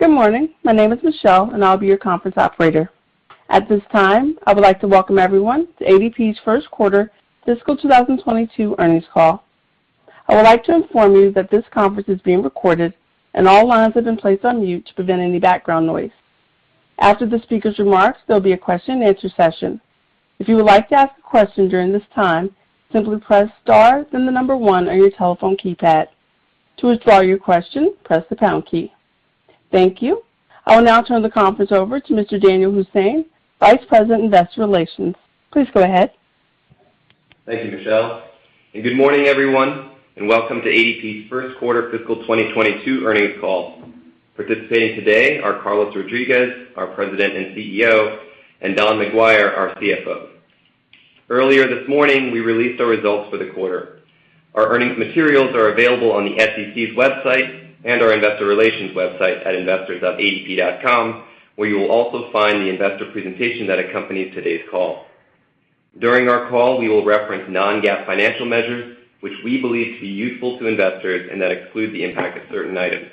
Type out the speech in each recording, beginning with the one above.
Good morning. My name is Michelle, and I'll be your conference operator. At this time, I would like to welcome everyone to ADP's first quarter fiscal 2022 earnings call. I would like to inform you that this conference is being recorded and all lines have been placed on mute to prevent any background noise. After the speaker's remarks, there'll be a question-and-answer session. If you would like to ask a question during this time, simply press star then the number one on your telephone keypad. To withdraw your question, press the pound key. Thank you. I will now turn the conference over to Mr. Danyal Hussain, Vice President, Investor Relations. Please go ahead. Thank you, Michelle. Good morning, everyone, and welcome to ADP's first quarter fiscal 2022 earnings call. Participating today are Carlos Rodriguez, our President and CEO, and Don McGuire, our CFO. Earlier this morning, we released our results for the quarter. Our earnings materials are available on the SEC's website and our investor relations website at investors.adp.com, where you will also find the investor presentation that accompanies today's call. During our call, we will reference non-GAAP financial measures, which we believe to be useful to investors and that exclude the impact of certain items.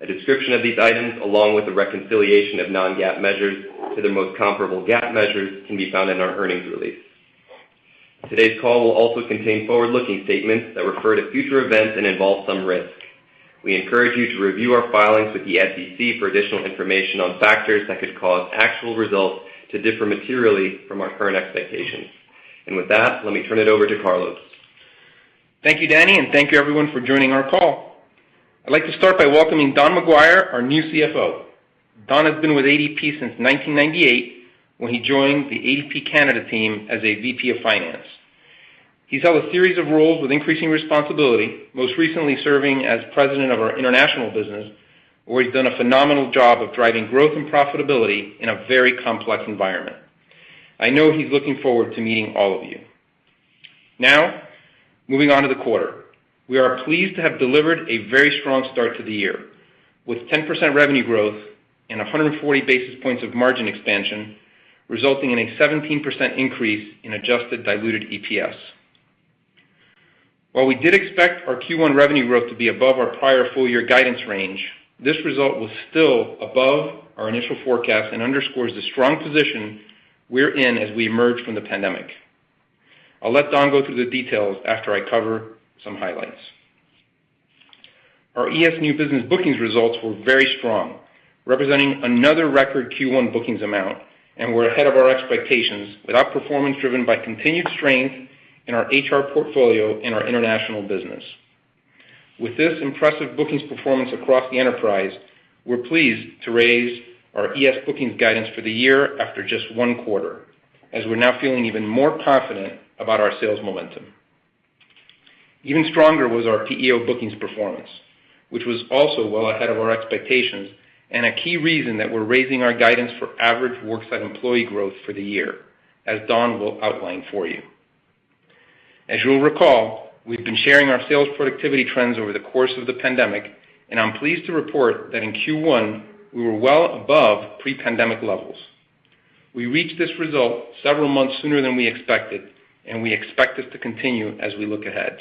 A description of these items, along with the reconciliation of non-GAAP measures to their most comparable GAAP measures, can be found in our earnings release. Today's call will also contain forward-looking statements that refer to future events and involve some risks. We encourage you to review our filings with the SEC for additi onal information on factors that could cause actual results to differ materially from our current expectations. With that, let me turn it over to Carlos. Thank you, Danny, and thank you everyone for joining our call. I'd like to start by welcoming Don McGuire, our new CFO. Don has been with ADP since 1998, when he joined the ADP Canada team as a VP of Finance. He's held a series of roles with increasing responsibility, most recently serving as president of our international business, where he's done a phenomenal job of driving growth and profitability in a very complex environment. I know he's looking forward to meeting all of you. Now, moving on to the quarter. We are pleased to have delivered a very strong start to the year, with 10% revenue growth and 140 basis points of margin expansion, resulting in a 17% increase in adjusted diluted EPS. While we did expect our Q1 revenue growth to be above our prior full year guidance range, this result was still above our initial forecast and underscores the strong position we're in as we emerge from the pandemic. I'll let Don go through the details after I cover some highlights. Our ES new business bookings results were very strong, representing another record Q1 bookings amount, and we're ahead of our expectations with outperformance driven by continued strength in our HR portfolio and our international business. With this impressive bookings performance across the enterprise, we're pleased to raise our ES bookings guidance for the year after just one quarter, as we're now feeling even more confident about our sales momentum. Even stronger was our PEO bookings performance, which was also well ahead of our expectations and a key reason that we're raising our guidance for average worksite employee growth for the year, as Don will outline for you. As you'll recall, we've been sharing our sales productivity trends over the course of the pandemic, and I'm pleased to report that in Q1, we were well above pre-pandemic levels. We reached this result several months sooner than we expected, and we expect this to continue as we look ahead.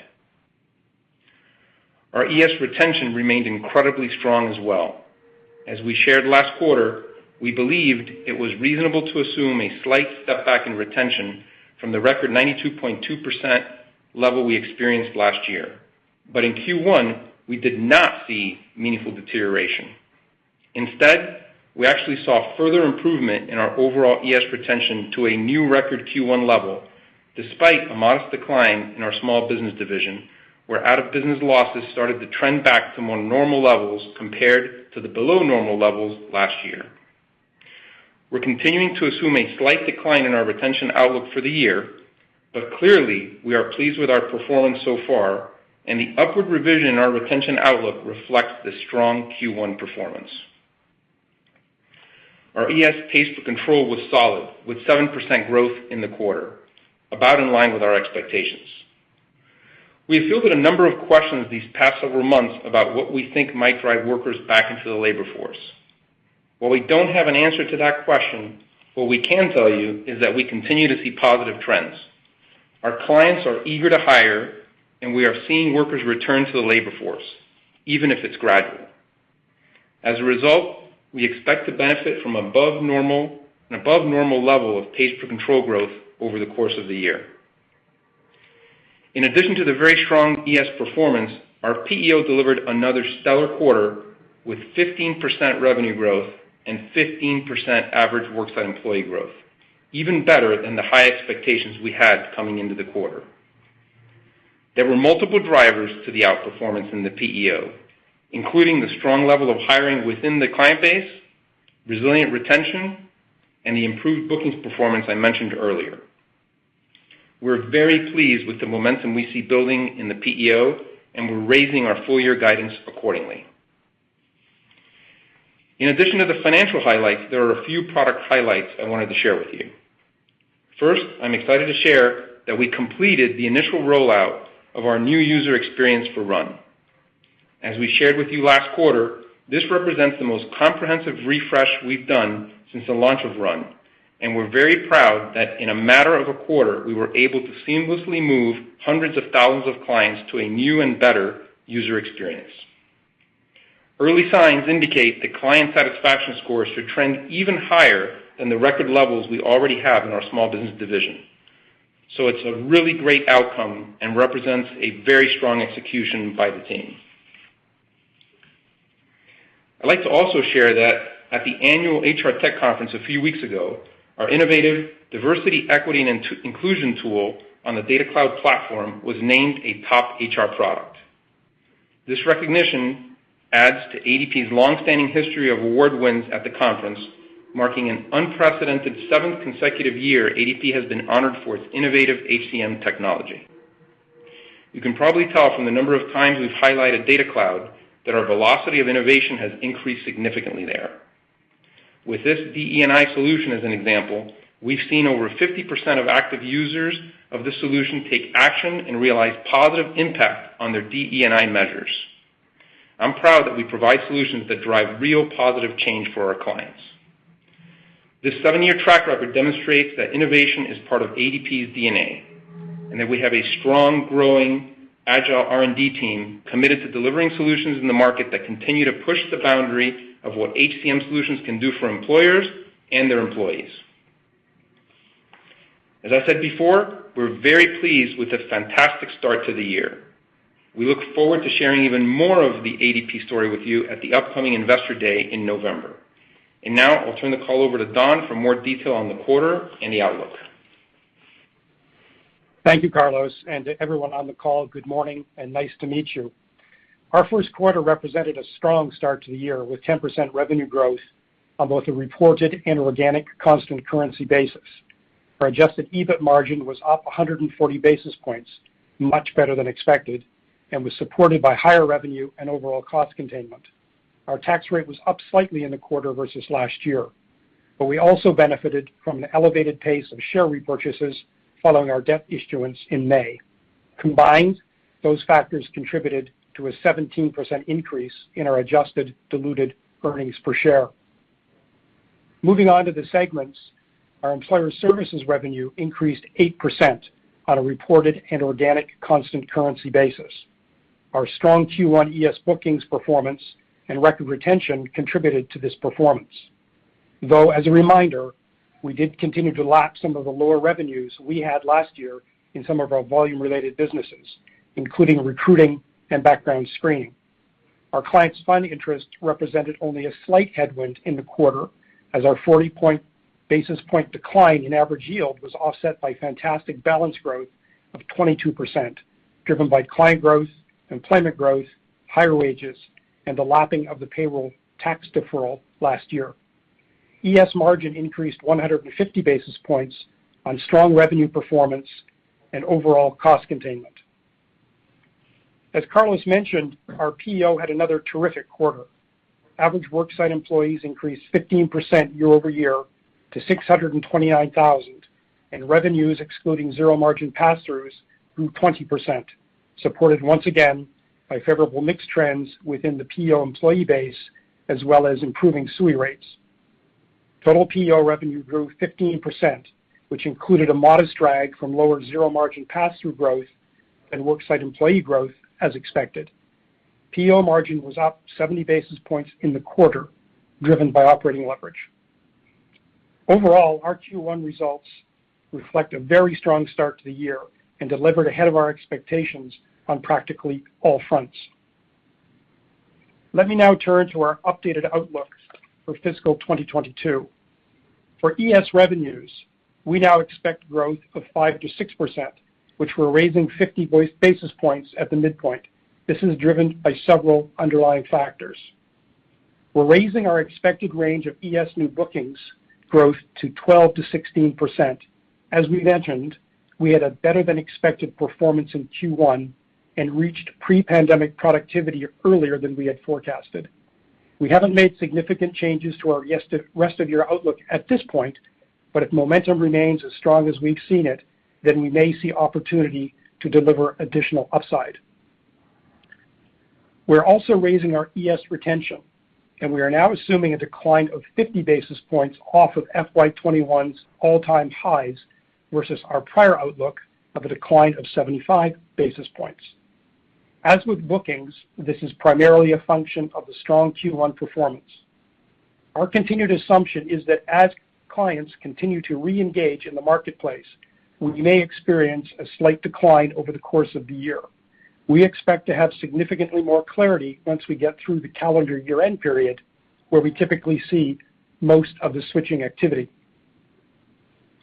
Our ES retention remained incredibly strong as well. As we shared last quarter, we believed it was reasonable to assume a slight step back in retention from the record 92.2% level we experienced last year. In Q1, we did not see meaningful deterioration. w record Q1 level, despite a modest decline in our small business division, where out-of-business losses started to trend back to more normal levels compared to the below normal levels last year. We're continuing to assume a slight decline in our retention outlook for the year, but clearly, we are pleased with our performance so far, and the upward revision in our retention outlook reflects the strong Q1 performance. Our ES pays per control was solid, with 7% growth in the quarter, about in line with our expectations. We have fielded a number of questions these past several months about what we think might drive workers back into the labor force. While we don't have an answer to that question, what we can tell you is that we continue to see positive trends. Our clients are eager to hire, and we are seeing workers return to the labor force, even if it's gradual. As a result, we expect to benefit from an above normal level of pays per control growth over the course of the year. In addition to the very strong ES performance, our PEO delivered another stellar quarter with 15% revenue growth and 15% average worksite employee growth, even better than the high expectations we had coming into the quarter. There were multiple drivers to the outperformance in the PEO, including the strong level of hiring within the client base, resilient retention, and the improved bookings performance I mentioned earlier. We're very pleased with the momentum we see building in the PEO, and we're raising our full year guidance accordingly. In addition to the financial highlights, there are a few product highlights I wanted to share with you. First, I'm excited to share that we completed the initial rollout of our new user experience for RUN. As we shared with you last quarter, this represents the most comprehensive refresh we've done since the launch of RUN. We're very proud that in a matter of a quarter, we were able to seamlessly move hundreds of thousands of clients to a new and better user experience. Early signs indicate that client satisfaction scores should trend even higher than the record levels we already have in our small business division. It's a really great outcome and represents a very strong execution by the team. I'd like to also share that at the annual HR Tech conference a few weeks ago, our innovative diversity, equity, and inclusion tool on the DataCloud platform was named a top HR product. This recognition adds to ADP's long-standing history of award wins at the conference, marking an unprecedented seventh consecutive year ADP has been honored for its innovative HCM technology. You can probably tell from the number of times we've highlighted DataCloud that our velocity of innovation has increased significantly there. With this DE&I solution as an example, we've seen over 50% of active users of this solution take action and realize positive impact on their DE&I measures. I'm proud that we provide solutions that drive real positive change for our clients. This seven-year track record demonstrates that innovation is part of ADP's DNA, and that we have a strong, growing, agile R&D team committed to delivering solutions in the market that continue to push the boundary of what HCM solutions can do for employers and their employees. As I said before, we're very pleased with the fantastic start to the year. We look forward to sharing even more of the ADP story with you at the upcoming Investor Day in November. Now I'll turn the call over to Don for more detail on the quarter and the outlook. Thank you, Carlos, and to everyone on the call, good morning and nice to meet you. Our first quarter represented a strong start to the year with 10% revenue growth on both a reported and organic constant currency basis. Our adjusted EBIT margin was up 140 basis points, much better than expected, and was supported by higher revenue and overall cost containment. Our tax rate was up slightly in the quarter versus last year, but we also benefited from an elevated pace of share repurchases following our debt issuance in May. Combined, those factors contributed to a 17% increase in our adjusted diluted earnings per share. Moving on to the segments, our Employer Services revenue increased 8% on a reported and organic constant currency basis. Our strong Q1 ES bookings performance and record retention contributed to this performance, though as a reminder, we did continue to lap some of the lower revenues we had last year in some of our volume-related businesses, including recruiting and background screening. Our clients' funding interest represented only a slight headwind in the quarter as our 40 basis point decline in average yield was offset by fantastic balance growth of 22%, driven by client growth, employment growth, higher wages, and the lapping of the payroll tax deferral last year. ES margin increased 150 basis points on strong revenue performance and overall cost containment. As Carlos mentioned, our PEO had another terrific quarter. Average worksite employees increased 15% year-over-year to 629,000, and revenues excluding zero-margin pass-throughs grew 20%, supported once again by favorable mix trends within the PEO employee base as well as improving SUI rates. Total PEO revenue grew 15%, which included a modest drag from lower zero-margin pass-through growth and worksite employee growth as expected. PEO margin was up 70 basis points in the quarter, driven by operating leverage. Overall, our Q1 results reflect a very strong start to the year and delivered ahead of our expectations on practically all fronts. Let me now turn to our updated outlook for fiscal 2022. For ES revenues, we now expect growth of 5%-6%, which we're raising 50 basis points at the midpoint. This is driven by several underlying factors. We're raising our expected range of ES new bookings growth to 12%-16%. As we mentioned, we had a better-than-expected performance in Q1 and reached pre-pandemic productivity earlier than we had forecasted. We haven't made significant changes to our '22 to rest of year outlook at this point, but if momentum remains as strong as we've seen it, then we may see opportunity to deliver additional upside. We're also raising our ES retention, and we are now assuming a decline of 50 basis points off of FY 2021's all-time highs versus our prior outlook of a decline of 75 basis points. As with bookings, this is primarily a function of the strong Q1 performance. Our continued assumption is that as clients continue to reengage in the marketplace, we may experience a slight decline over the course of the year. We expect to have significantly more clarity once we get through the calendar year-end period, where we typically see most of the switching activity.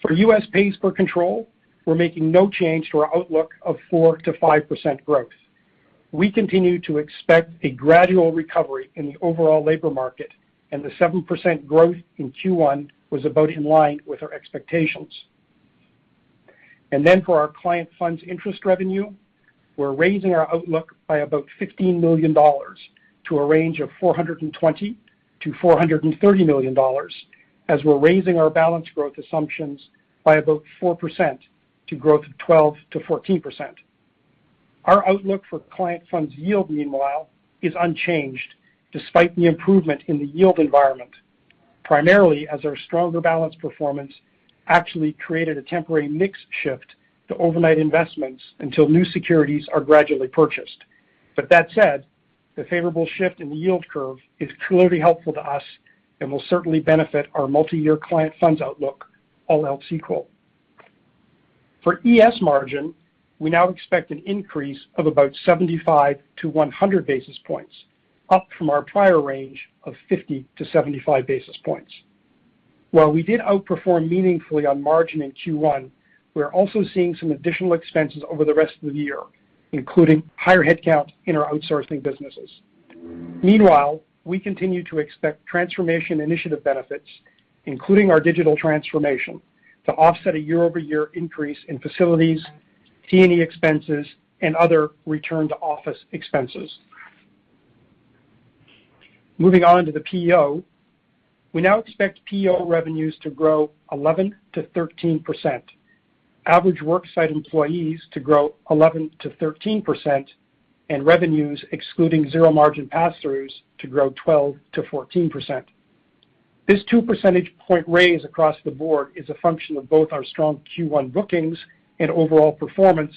For U.S. pays per control, we're making no change to our outlook of 4%-5% growth. We continue to expect a gradual recovery in the overall labor market, and the 7% growth in Q1 was about in line with our expectations. For our client funds interest revenue, we're raising our outlook by about $15 million to a range of $420 million-$430 million as we're raising our balance growth assumptions by about 4% to growth of 12%-14%. Our outlook for client funds yield, meanwhile, is unchanged despite the improvement in the yield environment, primarily as our stronger balance performance actually created a temporary mix shift to overnight investments until new securities are gradually purchased. That said, the favorable shift in the yield curve is clearly helpful to us and will certainly benefit our multi-year client funds outlook, all else equal. For ES margin, we now expect an increase of about 75-100 basis points, up from our prior range of 50-75 basis points. While we did outperform meaningfully on margin in Q1, we're also seeing some additional expenses over the rest of the year, including higher headcount in our outsourcing businesses. Meanwhile, we continue to expect transformation initiative benefits, including our digital transformation, to offset a year-over-year increase in facilities, T&E expenses, and other return-to-office expenses. Moving on to the PEO. We now expect PEO revenues to grow 11%-13%. Average worksite employees to grow 11%-13%, and revenues excluding zero margin passthroughs to grow 12%-14%. This two percentage point raise across the board is a function of both our strong Q1 bookings and overall performance,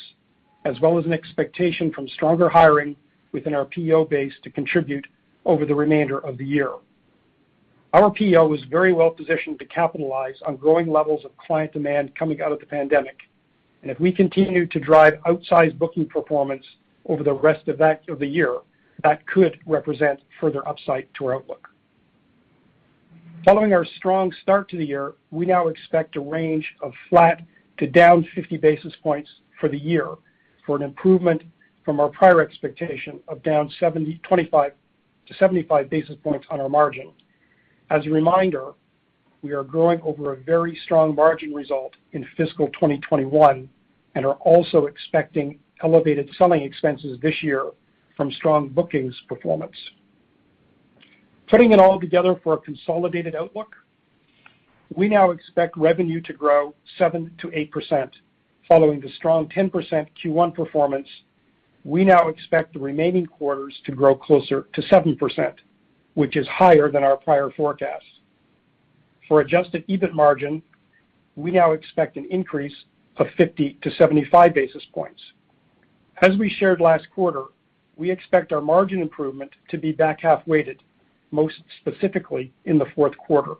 as well as an expectation from stronger hiring within our PEO base to contribute over the remainder of the year. Our PEO is very well positioned to capitalize on growing levels of client demand coming out of the pandemic. If we continue to drive outsized booking performance over the rest of that of the year, that could represent further upside to our outlook. Following our strong start to the year, we now expect a range of flat to down 50 basis points for the year for an improvement from our prior expectation of down 25-75 basis points on our margin. As a reminder, we are growing over a very strong margin result in fiscal 2021 and are also expecting elevated selling expenses this year from strong bookings performance. Putting it all together for a consolidated outlook, we now expect revenue to grow 7%-8%. Following the strong 10% Q1 performance, we now expect the remaining quarters to grow closer to 7%, which is higher than our prior forecast. For adjusted EBIT margin, we now expect an increase of 50-75 basis points. As we shared last quarter, we expect our margin improvement to be back-half weighted, most specifically in the fourth quarter.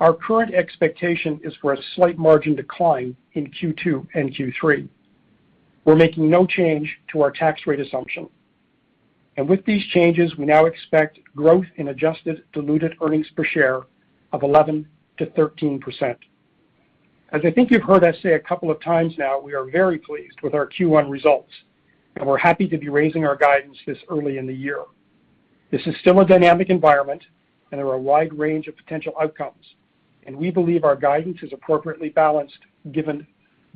Our current expectation is for a slight margin decline in Q2 and Q3. We're making no change to our tax rate assumption. With these changes, we now expect growth in adjusted diluted earnings per share of 11%-13%. As I think you've heard us say a couple of times now, we are very pleased with our Q1 results, and we're happy to be raising our guidance this early in the year. This is still a dynamic environment, and there are a wide range of potential outcomes, and we believe our guidance is appropriately balanced given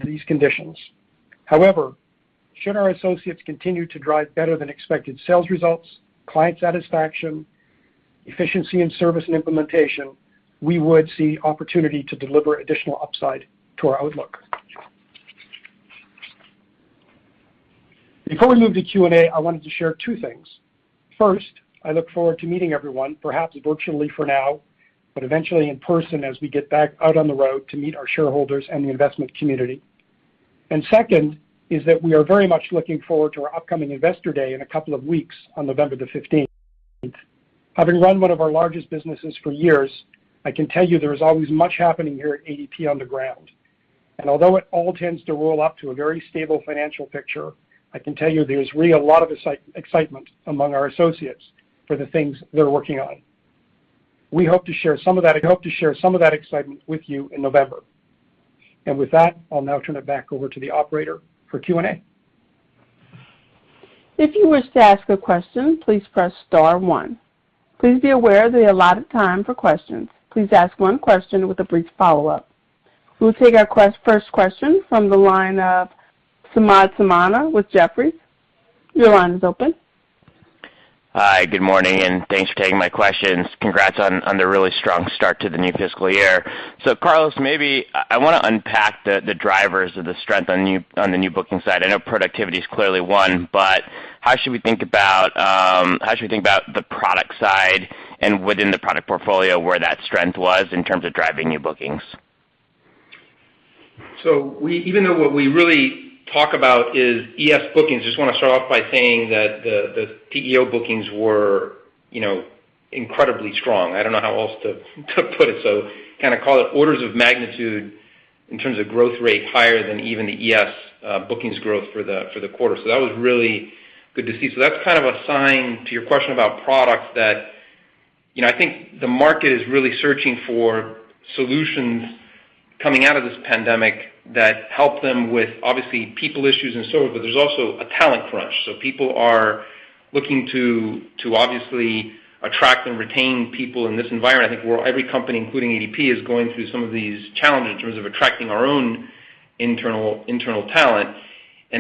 these conditions. However, should our associates continue to drive better than expected sales results, client satisfaction, efficiency in service and implementation, we would see opportunity to deliver additional upside to our outlook. Before we move to Q&A, I wanted to share two things. First, I look forward to meeting everyone, perhaps virtually for now, but eventually in person as we get back out on the road to meet our shareholders and the investment community. Second is that we are very much looking forward to our upcoming Investor Day in a couple of weeks on November 15. Having run one of our largest businesses for years, I can tell you there is always much happening here at ADP on the ground. Although it all tends to roll up to a very stable financial picture, I can tell you there's really a lot of excitement among our associates for the things they're working on. We hope to share some of that. I hope to share some of that excitement with you in November. With that, I'll now turn it back over to the operator for Q&A. If you wish to ask a question, please press star one. Please be aware that we have a lot of time for questions. Please ask one question with a brief follow-up. We'll take our first question from the line of Samad Samana with Jefferies. Your line is open. Hi, good morning, and thanks for taking my questions. Congrats on the really strong start to the new fiscal year. Carlos, maybe I wanna unpack the drivers of the strength on the new booking side. I know productivity is clearly one, but how should we think about the product side and within the product portfolio where that strength was in terms of driving new bookings? Even though what we really talk about is ES bookings, I just want to start off by saying that the PEO bookings were, you know, incredibly strong. I don't know how else to put it, so can I call it orders of magnitude in terms of growth rate higher than even the ES bookings growth for the quarter. That was really good to see. That's kind of a sign to your question about products that, you know, I think the market is really searching for solutions coming out of this pandemic that help them with obviously people issues and so on. But there's also a talent crunch. People are looking to obviously attract and retain people in this environment. I think every company, including ADP, is going through some of these challenges in terms of attracting our own internal talent.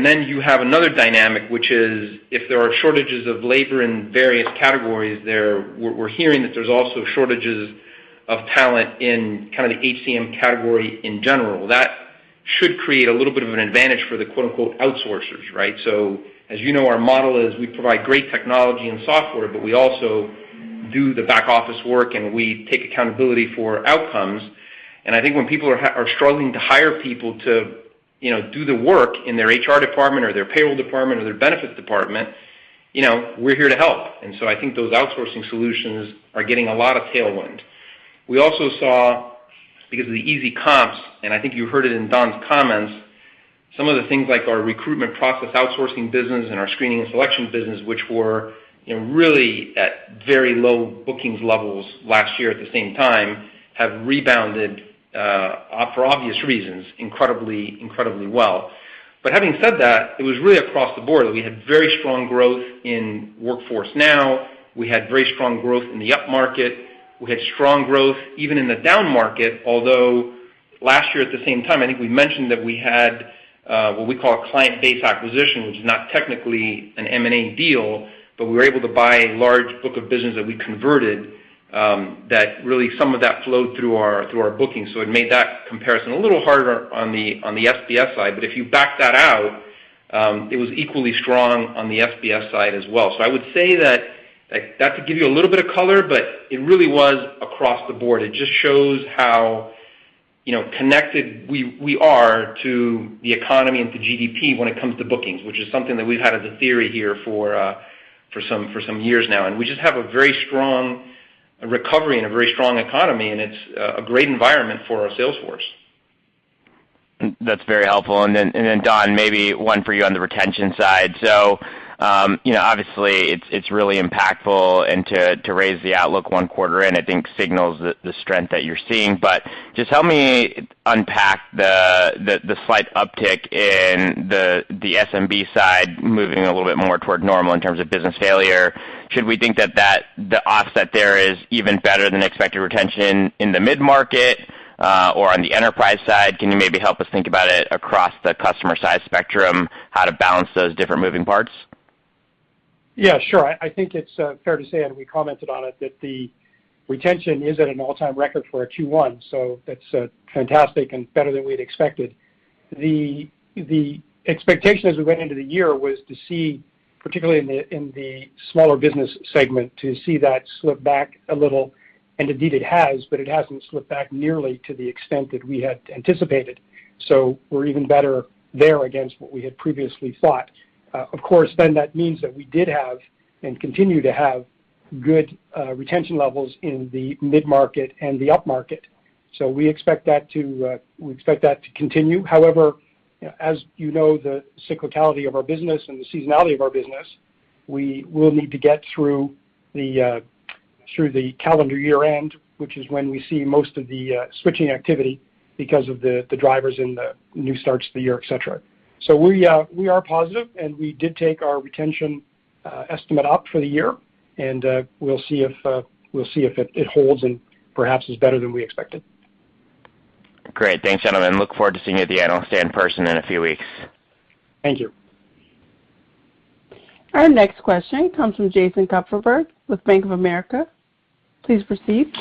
You have another dynamic, which is if there are shortages of labor in various categories there, we're hearing that there's also shortages. Of talent in kind of the HCM category in general. That should create a little bit of an advantage for the quote, unquote, "outsourcers," right? As you know, our model is we provide great technology and software, but we also do the back-office work, and we take accountability for outcomes. I think when people are struggling to hire people to, you know, do the work in their HR department or their payroll department or their benefits department, you know, we're here to help. I think those outsourcing solutions are getting a lot of tailwind. We also saw, because of the easy comps, and I think you heard it in Don's comments, some of the things like our recruitment process outsourcing business and our screening and selection business, which were, you know, really at very low bookings levels last year at the same time, have rebounded for obvious reasons, incredibly well. Having said that, it was really across the board. We had very strong growth in Workforce Now. We had very strong growth in the upmarket. We had strong growth even in the downmarket, although last year at the same time, I think we mentioned that we had what we call a client base acquisition, which is not technically an M&A deal, but we were able to buy a large book of business that we converted, that really some of that flowed through our, through our bookings. It made that comparison a little harder on the SBS side. If you back that out, it was equally strong on the SBS side as well. I would say that, like, to give you a little bit of color, but it really was across the board. It just shows how, you know, connected we are to the economy and to GDP when it comes to bookings, which is something that we've had as a theory here for some years now. We just have a very strong recovery and a very strong economy, and it's a great environment for our sales force. That's very helpful. Don, maybe one for you on the retention side. You know, obviously, it's really impactful to raise the outlook one quarter in. I think signals the strength that you're seeing. Just help me unpack the slight uptick in the SMB side moving a little bit more toward normal in terms of business failure. Should we think that the offset there is even better than expected retention in the mid-market, or on the enterprise side? Can you maybe help us think about it across the customer size spectrum, how to balance those different moving parts? Yeah, sure. I think it's fair to say, and we commented on it, that the retention is at an all-time record for a Q1, so that's fantastic and better than we'd expected. The expectation as we went into the year was to see, particularly in the smaller business segment, to see that slip back a little, and indeed it has, but it hasn't slipped back nearly to the extent that we had anticipated. We're even better there against what we had previously thought. Of course, that means that we did have and continue to have good retention levels in the mid-market and the upmarket. We expect that to continue. However, as you know, the cyclicality of our business and the seasonality of our business, we will need to get through the calendar year-end, which is when we see most of the switching activity because of the drivers in the new starts of the year, et cetera. We are positive, and we did take our retention estimate up for the year, and we'll see if it holds and perhaps is better than we expected. Great. Thanks, gentlemen. Look forward to seeing you at the Analyst Day in person in a few weeks. Thank you. Our next question comes from Jason Kupferberg with Bank of America. Please proceed.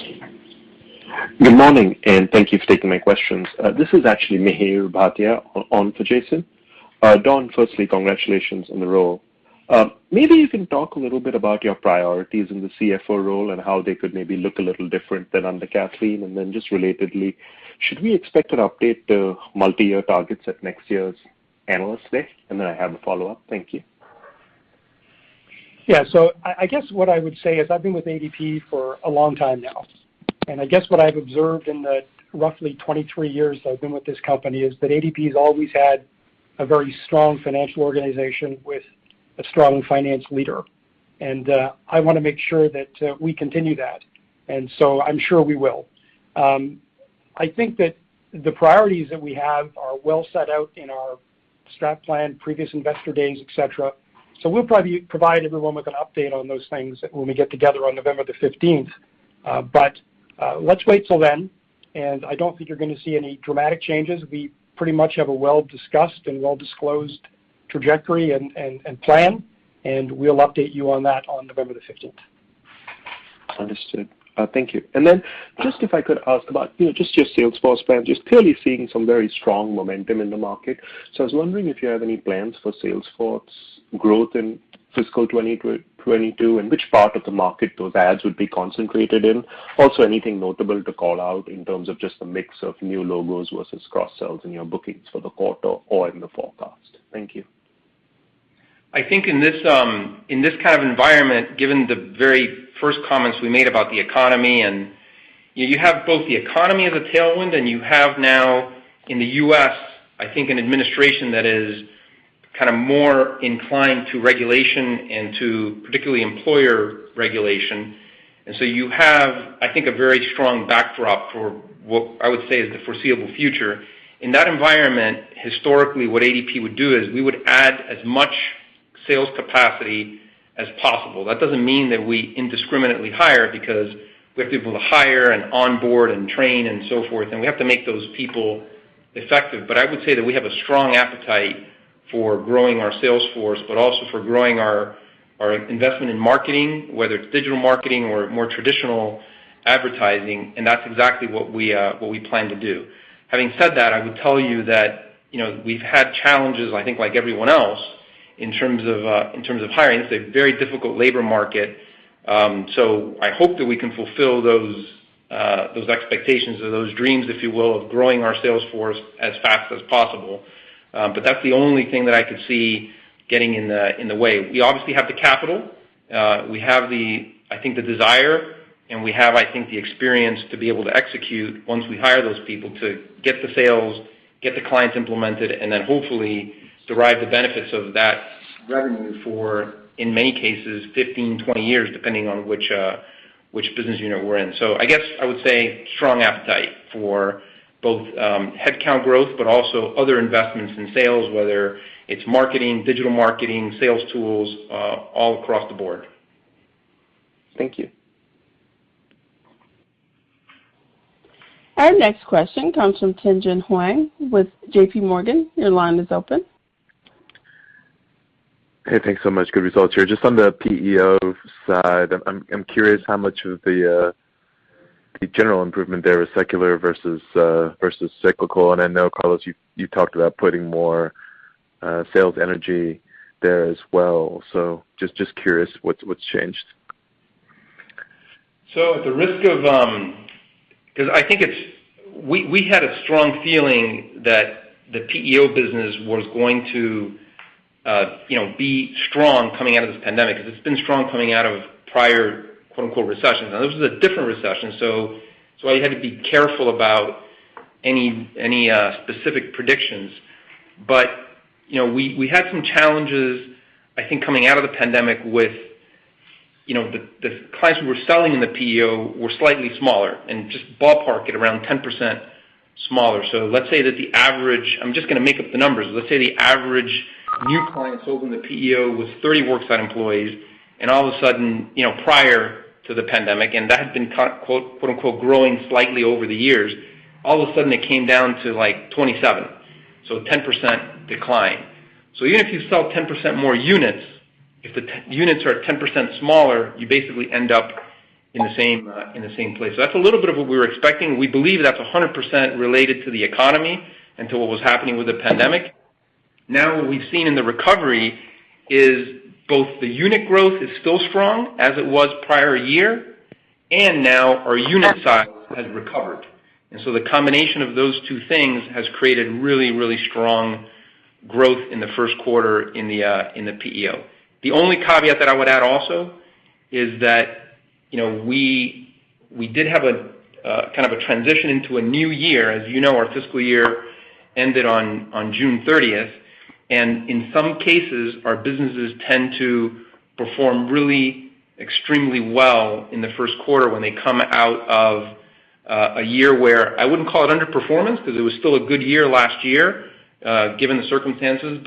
Good morning, and thank you for taking my questions. This is actually Mihir Bhatia on for Jason. Don, firstly, congratulations on the role. Maybe you can talk a little bit about your priorities in the CFO role and how they could maybe look a little different than under Kathleen. Just relatedly, should we expect an update to multi-year targets at next year's Analyst Day? I have a follow-up. Thank you. I guess what I would say is I've been with ADP for a long time now, and I guess what I've observed in the roughly 23 years that I've been with this company is that ADP has always had a very strong financial organization with a strong finance leader. I wanna make sure that we continue that. I'm sure we will. I think that the priorities that we have are well set out in our strategic plan, previous Investor Days, et cetera. We'll probably provide everyone with an update on those things when we get together on November the 15th. Let's wait till then, and I don't think you're gonna see any dramatic changes. We pretty much have a well-discussed and well-disclosed trajectory and plan, and we'll update you on that on November the 15th. Understood. Thank you. Then just if I could ask about, you know, just your sales force plans. Just clearly seeing some very strong momentum in the market. I was wondering if you have any plans for sales force growth in fiscal 2022, and which part of the market those adds would be concentrated in. Also, anything notable to call out in terms of just the mix of new logos versus cross-sells in your bookings for the quarter or in the forecast? Thank you. I think in this kind of environment, given the very first comments we made about the economy, and you have both the economy as a tailwind and you have now in the U.S., I think an administration that is kinda more inclined to regulation and to particularly employer regulation. You have, I think, a very strong backdrop for what I would say is the foreseeable future. In that environment, historically, what ADP would do is we would add as much sales capacity as possible. That doesn't mean that we indiscriminately hire because we have people to hire and onboard and train and so forth, and we have to make those people effective. I would say that we have a strong appetite for growing our sales force, but also for growing our investment in marketing, whether it's digital marketing or more traditional advertising, and that's exactly what we plan to do. Having said that, I would tell you that, you know, we've had challenges, I think, like everyone else, in terms of hiring. It's a very difficult labor market. I hope that we can fulfill those expectations or those dreams, if you will, of growing our sales force as fast as possible. That's the only thing that I could see getting in the way. We obviously have the capital. We have, I think, the desire, and we have, I think, the experience to be able to execute once we hire those people to get the sales, get the clients implemented, and then hopefully derive the benefits of that revenue for, in many cases, 15, 20 years, depending on which business unit we're in. I guess I would say strong appetite for both, headcount growth, but also other investments in sales, whether it's marketing, digital marketing, sales tools, all across the board. Thank you. Our next question comes from Tien-tsin Huang with JPMorgan. Your line is open. Hey, thanks so much. Good results here. Just on the PEO side, I'm curious how much of the general improvement there is secular versus cyclical. I know, Carlos, you talked about putting more sales energy there as well. Just curious what's changed. At the risk of we had a strong feeling that the PEO business was going to you know be strong coming out of this pandemic, 'cause it's been strong coming out of prior quote-unquote recessions. Now, this is a different recession, so it's why you had to be careful about any specific predictions. You know, we had some challenges, I think, coming out of the pandemic with you know the clients we were selling in the PEO were slightly smaller and just ballpark at around 10% smaller. Let's say that the average. I'm just gonna make up the numbers. Let's say the average new clients opened the PEO with 30 worksite employees, and all of a sudden you know prior to the pandemic, and that had been quote-unquote growing slightly over the years. All of a sudden, it came down to, like, 27, so 10% decline. Even if you sell 10% more units, if the units are 10% smaller, you basically end up in the same place. That's a little bit of what we were expecting. We believe that's 100% related to the economy and to what was happening with the pandemic. Now, what we've seen in the recovery is both the unit growth is still strong as it was prior year, and now our unit size has recovered. The combination of those two things has created really, really strong growth in the first quarter in the PEO. The only caveat that I would add also is that, you know, we did have a kind of a transition into a new year. As you know, our fiscal year ended on June thirtieth. In some cases, our businesses tend to perform really extremely well in the first quarter when they come out of a year where I wouldn't call it underperformance, 'cause it was still a good year last year, given the circumstances.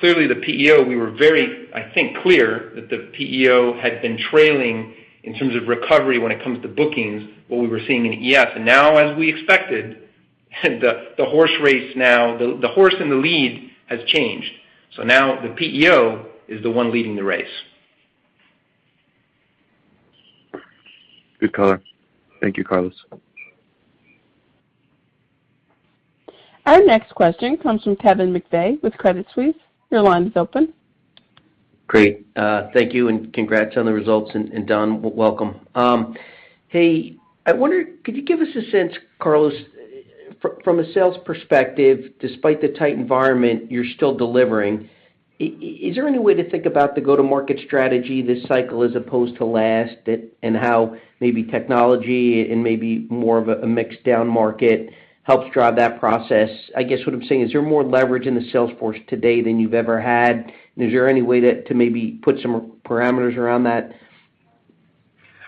Clearly the PEO, we were very, I think, clear that the PEO had been trailing in terms of recovery when it comes to bookings, what we were seeing in ES. Now, as we expected, the horse race now. The horse in the lead has changed. Now the PEO is the one leading the race. Good color. Thank you, Carlos. Our next question comes from Kevin McVeigh with Credit Suisse. Your line is open. Great. Thank you, and congrats on the results. Don, welcome. Hey, I wonder, could you give us a sense, Carlos, from a sales perspective, despite the tight environment you're still delivering, is there any way to think about the go-to-market strategy this cycle as opposed to last that and how maybe technology and maybe more of a mixed down market helps drive that process? I guess what I'm saying, is there more leverage in the sales force today than you've ever had? Is there any way to maybe put some parameters around that?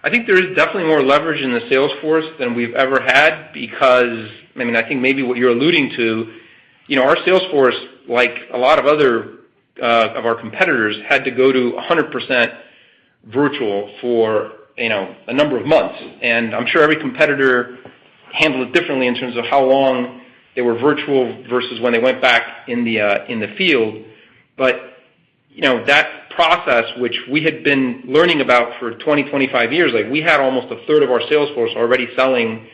I think there is definitely more leverage in the sales force than we've ever had because, I mean, I think maybe what you're alluding to, you know, our sales force, like a lot of other of our competitors, had to go to 100% virtual for, you know, a number of months. I'm sure every competitor handled it differently in terms of how long they were virtual versus when they went back in the field. That process, which we had been learning about for 20-25 years, like, we had almost a third of our sales force already selling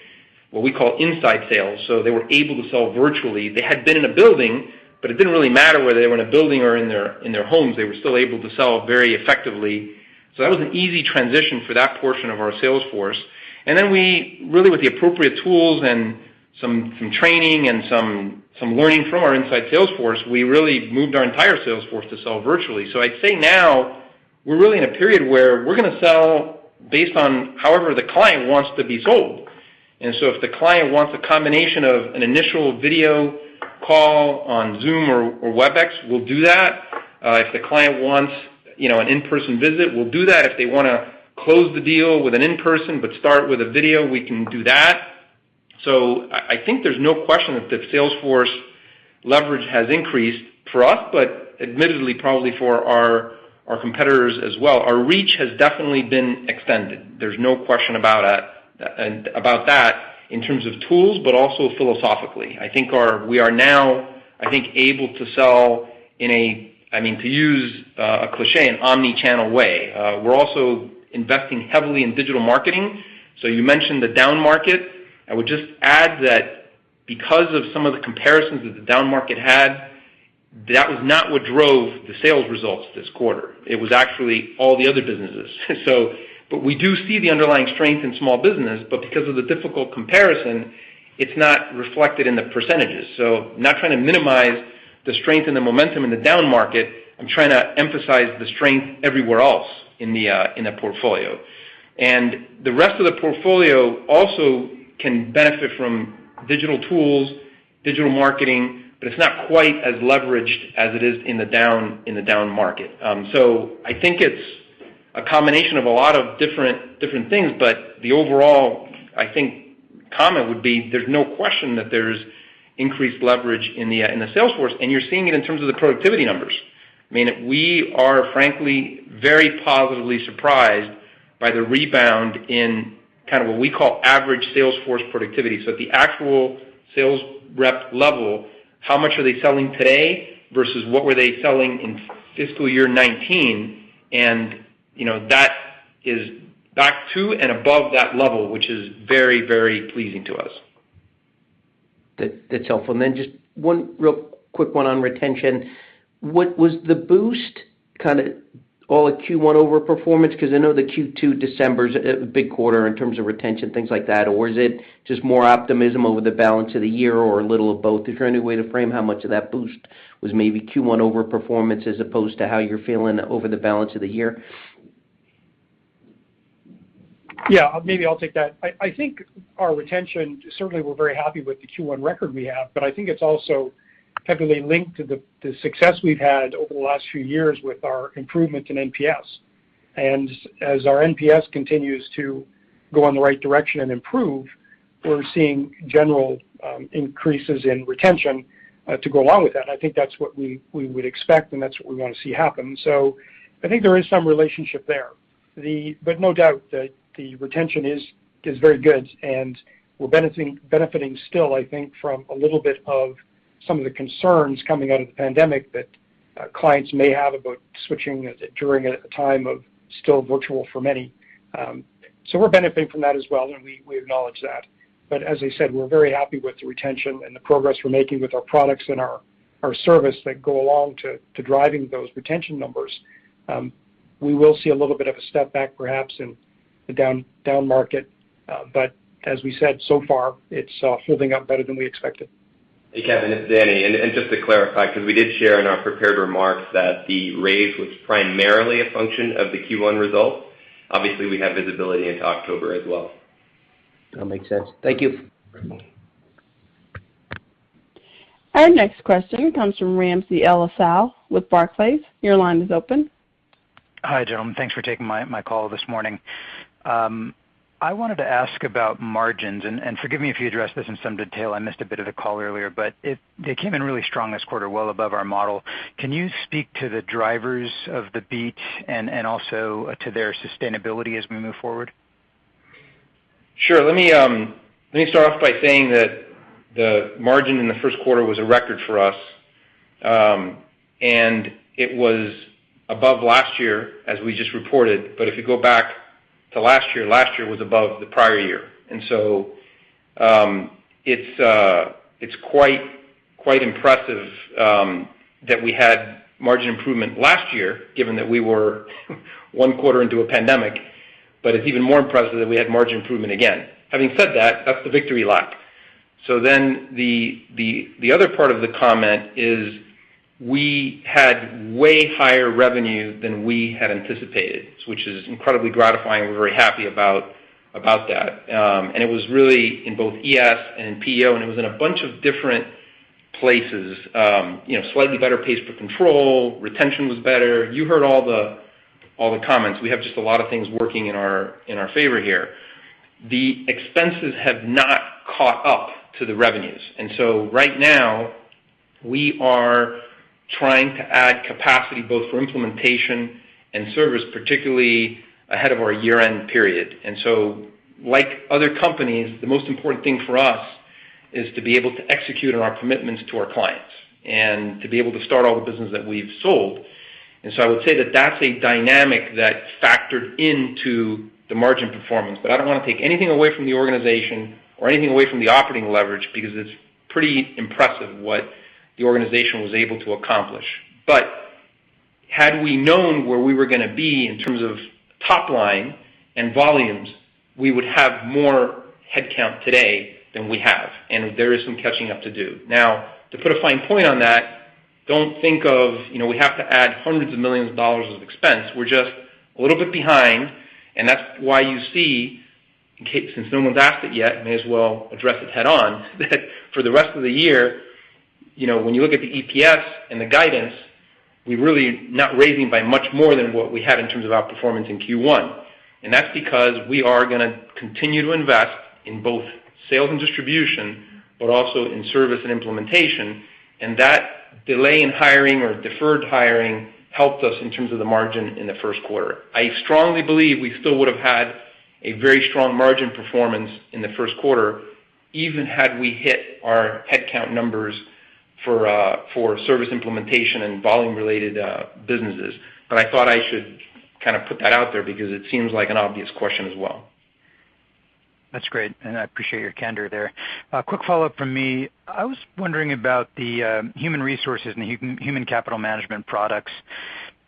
what we call inside sales, so they were able to sell virtually. They had been in a building, but it didn't really matter whether they were in a building or in their homes. They were still able to sell very effectively. That was an easy transition for that portion of our sales force. We really with the appropriate tools and some training and some learning from our inside sales force, we really moved our entire sales force to sell virtually. I'd say now we're really in a period where we're gonna sell based on however the client wants to be sold. If the client wants a combination of an initial video call on Zoom or Webex, we'll do that. If the client wants, you know, an in-person visit, we'll do that. If they wanna close the deal with an in-person, but start with a video, we can do that. I think there's no question that the sales force leverage has increased for us, but admittedly, probably for our competitors as well. Our reach has definitely been extended. There's no question about that in terms of tools, but also philosophically. I think we are now I think able to sell in a, I mean, to use a cliché, an omni-channel way. We're also investing heavily in digital marketing. You mentioned the down market. I would just add that because of some of the comparisons that the down market had, that was not what drove the sales results this quarter. It was actually all the other businesses. But we do see the underlying strength in small business, but because of the difficult comparison, it's not reflected in the percentages. Not trying to minimize the strength and the momentum in the down market, I'm trying to emphasize the strength everywhere else in the portfolio. The rest of the portfolio also can benefit from digital tools, digital marketing, but it's not quite as leveraged as it is in the down market. I think it's a combination of a lot of different things, but the overall comment would be, there's no question that there's increased leverage in the sales force, and you're seeing it in terms of the productivity numbers. I mean, we are frankly very positively surprised by the rebound in kind of what we call average sales force productivity. At the actual sales rep level, how much are they selling today versus what were they selling in fiscal year 2019? You know, that is back to and above that level, which is very, very pleasing to us. That, that's helpful. Then just one real quick one on retention. What was the boost kind of all the Q1 overperformance 'cause I know the Q2 December's a big quarter in terms of retention, things like that. Is it just more optimism over the balance of the year or a little of both? Is there any way to frame how much of that boost was maybe Q1 overperformance as opposed to how you're feeling over the balance of the year? Yeah, maybe I'll take that. I think our retention, certainly we're very happy with the Q1 record we have, but I think it's also heavily linked to the success we've had over the last few years with our improvement in NPS. As our NPS continues to go in the right direction and improve, we're seeing general increases in retention to go along with that. I think that's what we would expect, and that's what we wanna see happen. I think there is some relationship there. No doubt that the retention is very good, and we're benefiting still, I think, from a little bit of some of the concerns coming out of the pandemic that clients may have about switching during a time of still virtual for many. We're benefiting from that as well, and we acknowledge that. As I said, we're very happy with the retention and the progress we're making with our products and our service that go along to driving those retention numbers. We will see a little bit of a step back perhaps in the down market. As we said so far, it's holding up better than we expected. Hey, Kevin, it's Danny. Just to clarify, 'cause we did share in our prepared remarks that the raise was primarily a function of the Q1 results. Obviously, we have visibility into October as well. That makes sense. Thank you. Our next question comes from Ramsey El-Assal with Barclays. Your line is open. Hi, gentlemen. Thanks for taking my call this morning. I wanted to ask about margins, and forgive me if you addressed this in some detail. I missed a bit of the call earlier, but they came in really strong this quarter, well above our model. Can you speak to the drivers of the beat and also to their sustainability as we move forward? Sure. Let me start off by saying that the margin in the first quarter was a record for us, and it was above last year, as we just reported. If you go back to last year, last year was above the prior year. It's quite impressive that we had margin improvement last year given that we were one quarter into a pandemic, but it's even more impressive that we had margin improvement again. Having said that's the victory lap. The other part of the comment is we had way higher revenue than we had anticipated, which is incredibly gratifying. We're very happy about that. It was really in both ES and PEO, and it was in a bunch of different places. You know, slightly better pays per control, retention was better. You heard all the comments. We have just a lot of things working in our favor here. The expenses have not caught up to the revenues. Right now we are trying to add capacity both for implementation and service, particularly ahead of our year-end period. Like other companies, the most important thing for us is to be able to execute on our commitments to our clients and to be able to start all the business that we've sold. I would say that that's a dynamic that factored into the margin performance. I don't wanna take anything away from the organization or anything away from the operating leverage because it's pretty impressive what the organization was able to accomplish. Had we known where we were gonna be in terms of top line and volumes, we would have more headcount today than we have, and there is some catching up to do. Now, to put a fine point on that, don't think of, you know, we have to add hundreds of millions of dollars of expense. We're just a little bit behind, and that's why you see, since no one's asked it yet, may as well address it head on. That for the rest of the year, you know, when you look at the EPS and the guidance, we're really not raising by much more than what we have in terms of outperformance in Q1. That's because we are gonna continue to invest in both sales and distribution, but also in service and implementation. That delay in hiring or deferred hiring helped us in terms of the margin in the first quarter. I strongly believe we still would have had a very strong margin performance in the first quarter, even had we hit our headcount numbers for service implementation and volume-related businesses. I thought I should kind of put that out there because it seems like an obvious question as well. That's great, and I appreciate your candor there. A quick follow-up from me. I was wondering about the human resources and human capital management products.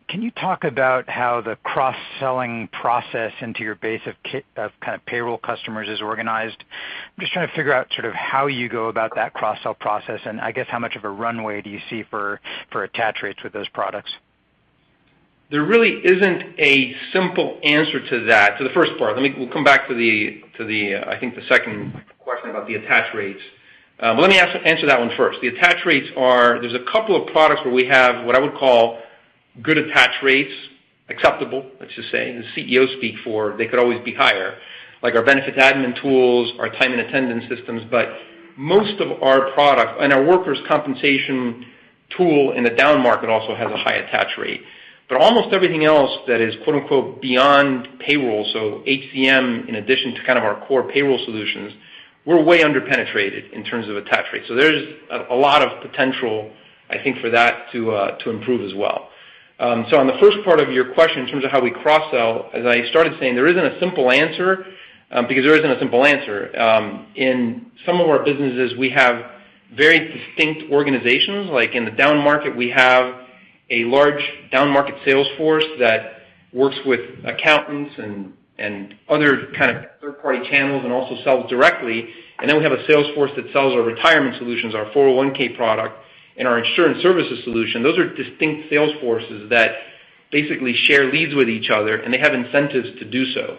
Can you talk about how the cross-selling process into your base of kind of payroll customers is organized? I'm just trying to figure out sort of how you go about that cross-sell process, and I guess how much of a runway do you see for attach rates with those products. There really isn't a simple answer to that. To the first part. Let me. We'll come back to the, I think the second question about the attach rates. But let me answer that one first. The attach rates are. There's a couple of products where we have what I would call good attach rates, acceptable, let's just say, the CEO speak for they could always be higher, like our benefits admin tools, our time and attendance systems. Most of our product, and our workers' compensation tool in the down market also has a high attach rate. Almost everything else that is quote-unquote, "beyond payroll," so HCM in addition to kind of our core payroll solutions, we're way underpenetrated in terms of attach rates. There's a lot of potential, I think, for that to improve as well. On the first part of your question in terms of how we cross-sell, as I started saying, there isn't a simple answer, because there isn't a simple answer. In some of our businesses, we have very distinct organizations. Like in the down market, we have a large down market sales force that works with accountants and other kind of third-party channels and also sells directly. Then we have a sales force that sells our retirement solutions, our 401K product, and our insurance services solution. Those are distinct sales forces that basically share leads with each other, and they have incentives to do so.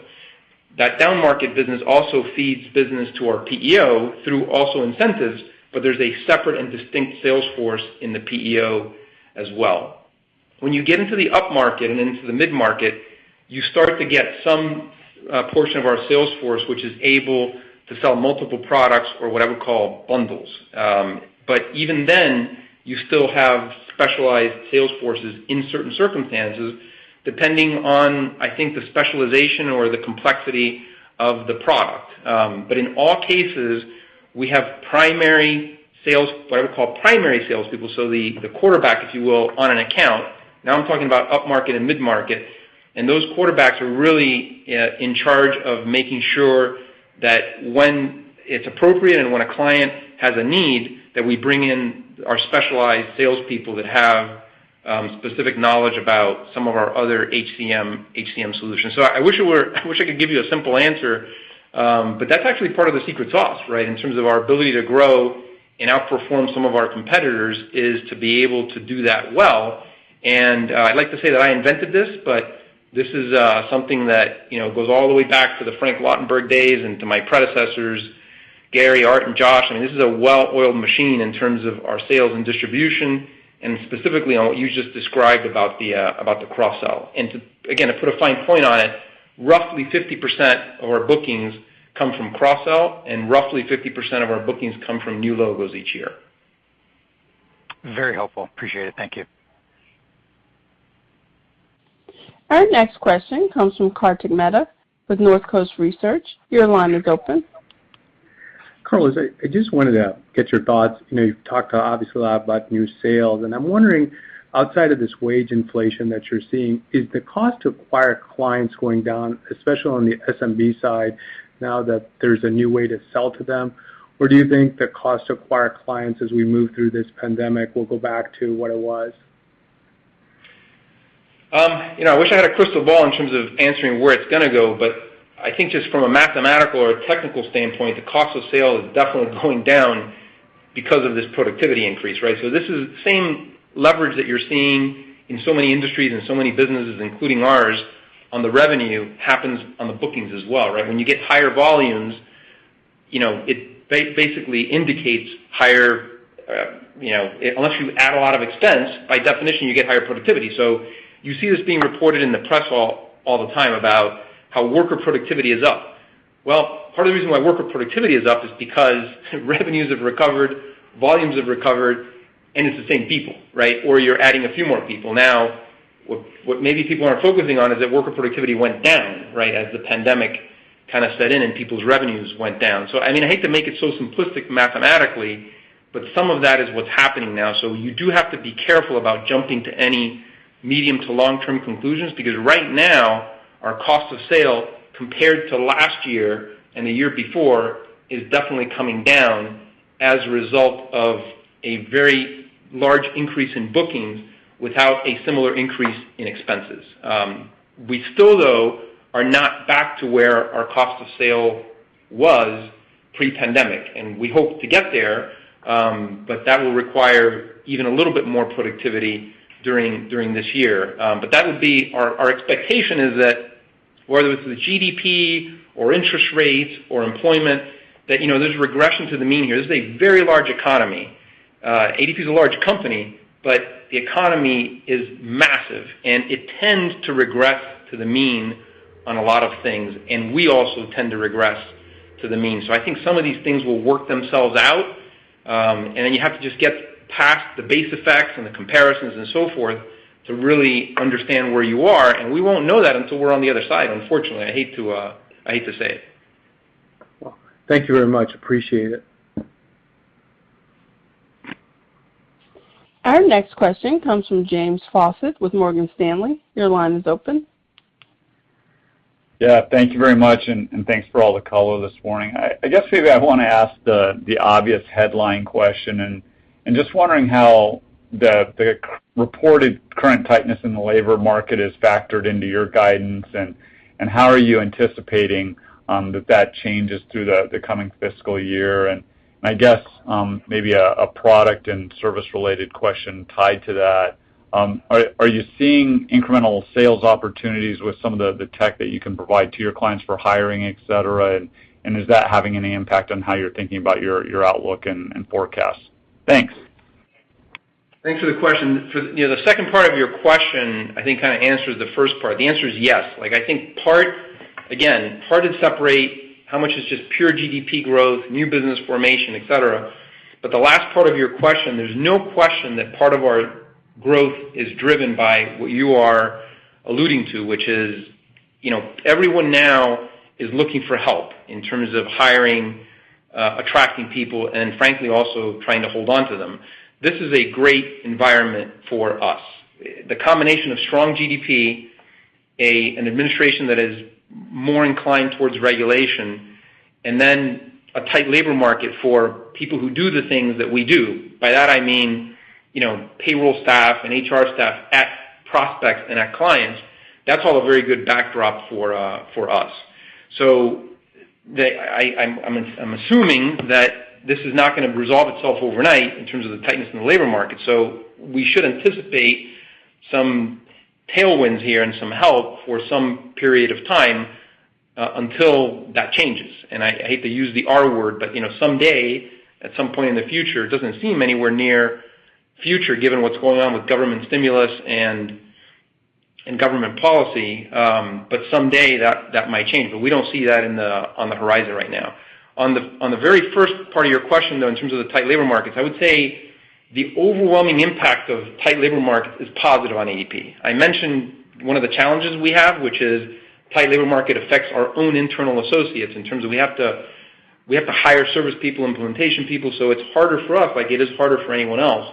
That down market business also feeds business to our PEO through also incentives, but there's a separate and distinct sales force in the PEO as well. When you get into the upmarket and into the mid-market, you start to get some portion of our sales force, which is able to sell multiple products or what I would call bundles. Even then, you still have specialized sales forces in certain circumstances, depending on, I think, the specialization or the complexity of the product. In all cases, we have primary sales, what I would call primary sales people, so the quarterback, if you will, on an account. Now I'm talking about upmarket and mid-market, and those quarterbacks are really in charge of making sure that when it's appropriate and when a client has a need, that we bring in our specialized sales people that have specific knowledge about some of our other HCM solutions. I wish I could give you a simple answer, but that's actually part of the secret sauce, right? In terms of our ability to grow and outperform some of our competitors, is to be able to do that well. I'd like to say that I invented this, but this is something that, you know, goes all the way back to the Frank Lautenberg days and to my predecessors, Gary, Art, and Josh. I mean, this is a well-oiled machine in terms of our sales and distribution, and specifically on what you just described about the cross-sell. To again put a fine point on it, roughly 50% of our bookings come from cross-sell, and roughly 50% of our bookings come from new logos each year. Very helpful. Appreciate it. Thank you. Our next question comes from Kartik Mehta with Northcoast Research. Your line is open. Carlos, I just wanted to get your thoughts. You know, you've talked obviously a lot about new sales, and I'm wondering, outside of this wage inflation that you're seeing, is the cost to acquire clients going down, especially on the SMB side, now that there's a new way to sell to them? Or do you think the cost to acquire clients as we move through this pandemic will go back to what it was? You know, I wish I had a crystal ball in terms of answering where it's gonna go, but I think just from a mathematical or a technical standpoint, the cost of sale is definitely going down because of this productivity increase, right? This is same leverage that you're seeing in so many industries and so many businesses, including ours, on the revenue happens on the bookings as well, right? When you get higher volumes, you know, it basically indicates higher, you know, unless you add a lot of expense, by definition, you get higher productivity. You see this being reported in the press all the time about how worker productivity is up. Well, part of the reason why worker productivity is up is because revenues have recovered, volumes have recovered, and it's the same people, right? Or you're adding a few more people. Now, what maybe people aren't focusing on is that worker productivity went down, right, as the pandemic kind of set in and people's revenues went down. I mean, I hate to make it so simplistic mathematically, but some of that is what's happening now. You do have to be careful about jumping to any medium to long-term conclusions, because right now, our cost of sale compared to last year and the year before is definitely coming down as a result of a very large increase in bookings without a similar increase in expenses. We still, though, are not back to where our cost of sale was pre-pandemic, and we hope to get there, but that will require even a little bit more productivity during this year. That would be our expectation is that whether it's the GDP or interest rates or employment, that, you know, there's regression to the mean here. This is a very large economy. ADP is a large company, but the economy is massive, and it tends to regress to the mean on a lot of things, and we also tend to regress to the mean. I think some of these things will work themselves out. Then you have to just get past the base effects and the comparisons and so forth to really understand where you are. We won't know that until we're on the other side, unfortunately. I hate to say it. Well, thank you very much. Appreciate it. Our next question comes from James Faucette with Morgan Stanley. Your line is open. Yeah, thank you very much, and thanks for all the color this morning. I guess maybe I want to ask the obvious headline question and just wondering how the reported current tightness in the labor market is factored into your guidance and how are you anticipating that changes through the coming fiscal year? And I guess maybe a product and service-related question tied to that, are you seeing incremental sales opportunities with some of the tech that you can provide to your clients for hiring, et cetera? And is that having any impact on how you're thinking about your outlook and forecast? Thanks. Thanks for the question. You know, the second part of your question, I think kind of answers the first part. The answer is yes. Like, I think part again, hard to separate how much is just pure GDP growth, new business formation, et cetera. But the last part of your question, there's no question that part of our growth is driven by what you are alluding to, which is, you know, everyone now is looking for help in terms of hiring, attracting people and frankly also trying to hold on to them. This is a great environment for us. The combination of strong GDP, an administration that is more inclined towards regulation, and then a tight labor market for people who do the things that we do. By that, I mean, you know, payroll staff and HR staff at prospects and at clients. That's all a very good backdrop for us. I'm assuming that this is not gonna resolve itself overnight in terms of the tightness in the labor market, so we should anticipate some tailwinds here and some help for some period of time until that changes. I hate to use the R word, but you know, someday, at some point in the future, it doesn't seem anywhere near future given what's going on with government stimulus and government policy, but someday that might change. We don't see that on the horizon right now. On the very first part of your question, though, in terms of the tight labor markets, I would say the overwhelming impact of tight labor market is positive on ADP. I mentioned one of the challenges we have, which is tight labor market affects our own internal associates in terms of we have to hire service people, implementation people, so it's harder for us, like it is harder for anyone else.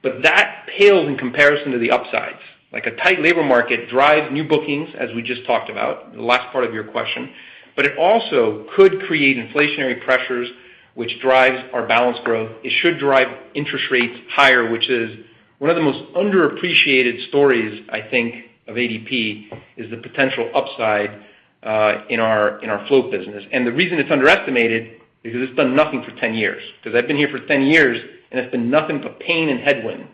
But that pales in comparison to the upsides. Like a tight labor market drives new bookings, as we just talked about, the last part of your question, but it also could create inflationary pressures, which drives our balance growth. It should drive interest rates higher, which is one of the most underappreciated stories, I think, of ADP, is the potential upside in our float business. The reason it's underestimated is because it's been nothing for 10 years, 'cause I've been here for 10 years, and it's been nothing but pain and headwind.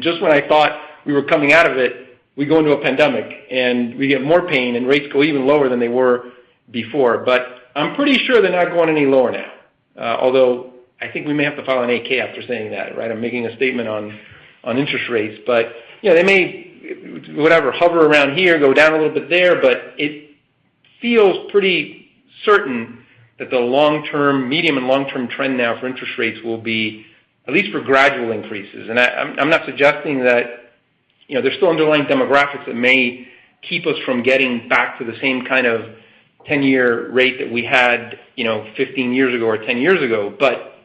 Just when I thought we were coming out of it, we go into a pandemic, and we get more pain, and rates go even lower than they were before. But I'm pretty sure they're not going any lower now. Although I think we may have to file an 8-K after saying that, right? I'm making a statement on interest rates. But you know, they may, whatever, hover around here, go down a little bit there, but it feels pretty certain that the long-term, medium and long-term trend now for interest rates will be at least for gradual increases. I'm not suggesting that. You know, there's still underlying demographics that may keep us from getting back to the same kind of 10-year rate that we had, you know, 15 years ago or 10 years ago.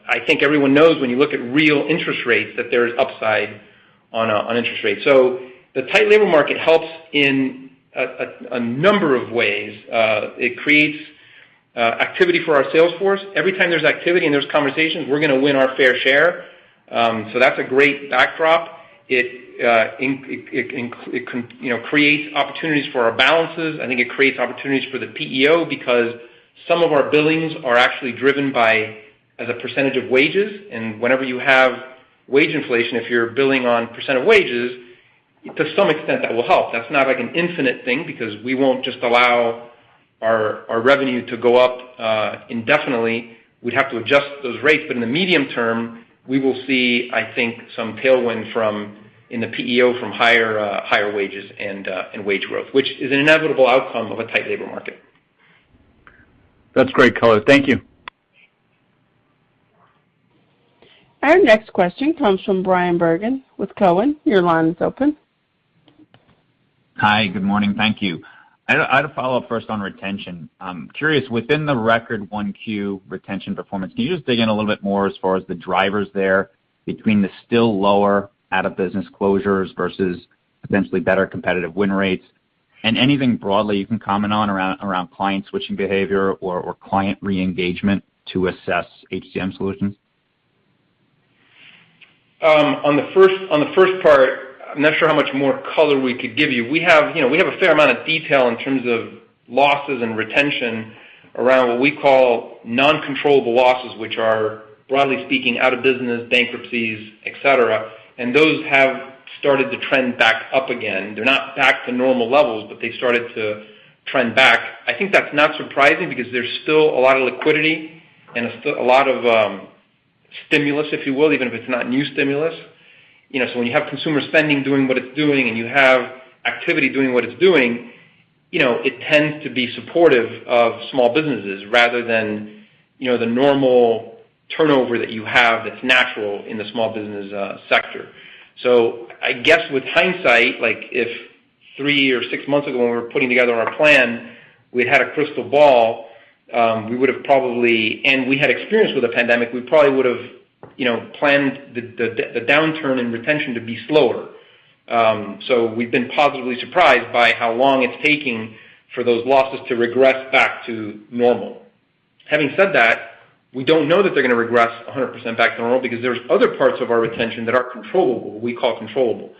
I think everyone knows when you look at real interest rates that there's upside on interest rates. The tight labor market helps in a number of ways. It creates activity for our sales force. Every time there's activity and there's conversations, we're gonna win our fair share. That's a great backdrop. It can, you know, create opportunities for our balances. I think it creates opportunities for the PEO because some of our billings are actually driven by as a percentage of wages. Whenever you have wage inflation, if you're billing on percent of wages, to some extent that will help. That's not like an infinite thing because we won't just allow our revenue to go up indefinitely. We'd have to adjust those rates. In the medium term, we will see, I think, some tailwind from in the PEO from higher wages and wage growth, which is an inevitable outcome of a tight labor market. That's great color. Thank you. Our next question comes from Bryan Bergin with Cowen. Your line is open. Hi. Good morning. Thank you. I'd follow up first on retention. I'm curious, within the record 1Q retention performance, can you just dig in a little bit more as far as the drivers there between the still lower out of business closures versus potentially better competitive win rates? Anything broadly you can comment on around client switching behavior or client re-engagement to assess HCM solutions? On the first part, I'm not sure how much more color we could give you. We have, you know, a fair amount of detail in terms of losses and retention around what we call non-controllable losses, which are broadly speaking out of business bankruptcies, et cetera. Those have started to trend back up again. They're not back to normal levels, but they started to trend back. I think that's not surprising because there's still a lot of liquidity and still a lot of stimulus, if you will, even if it's not new stimulus. You know, so when you have consumer spending doing what it's doing, and you have activity doing what it's doing. You know, it tends to be supportive of small businesses rather than, you know, the normal turnover that you have that's natural in the small business sector. I guess with hindsight, like if three or six months ago when we were putting together our plan, we'd had a crystal ball and experience with the pandemic, we probably would've, you know, planned the downturn in retention to be slower. We've been positively surprised by how long it's taking for those losses to regress back to normal. Having said that, we don't know that they're gonna regress 100% back to normal because there's other parts of our retention that are controllable, we call controllable.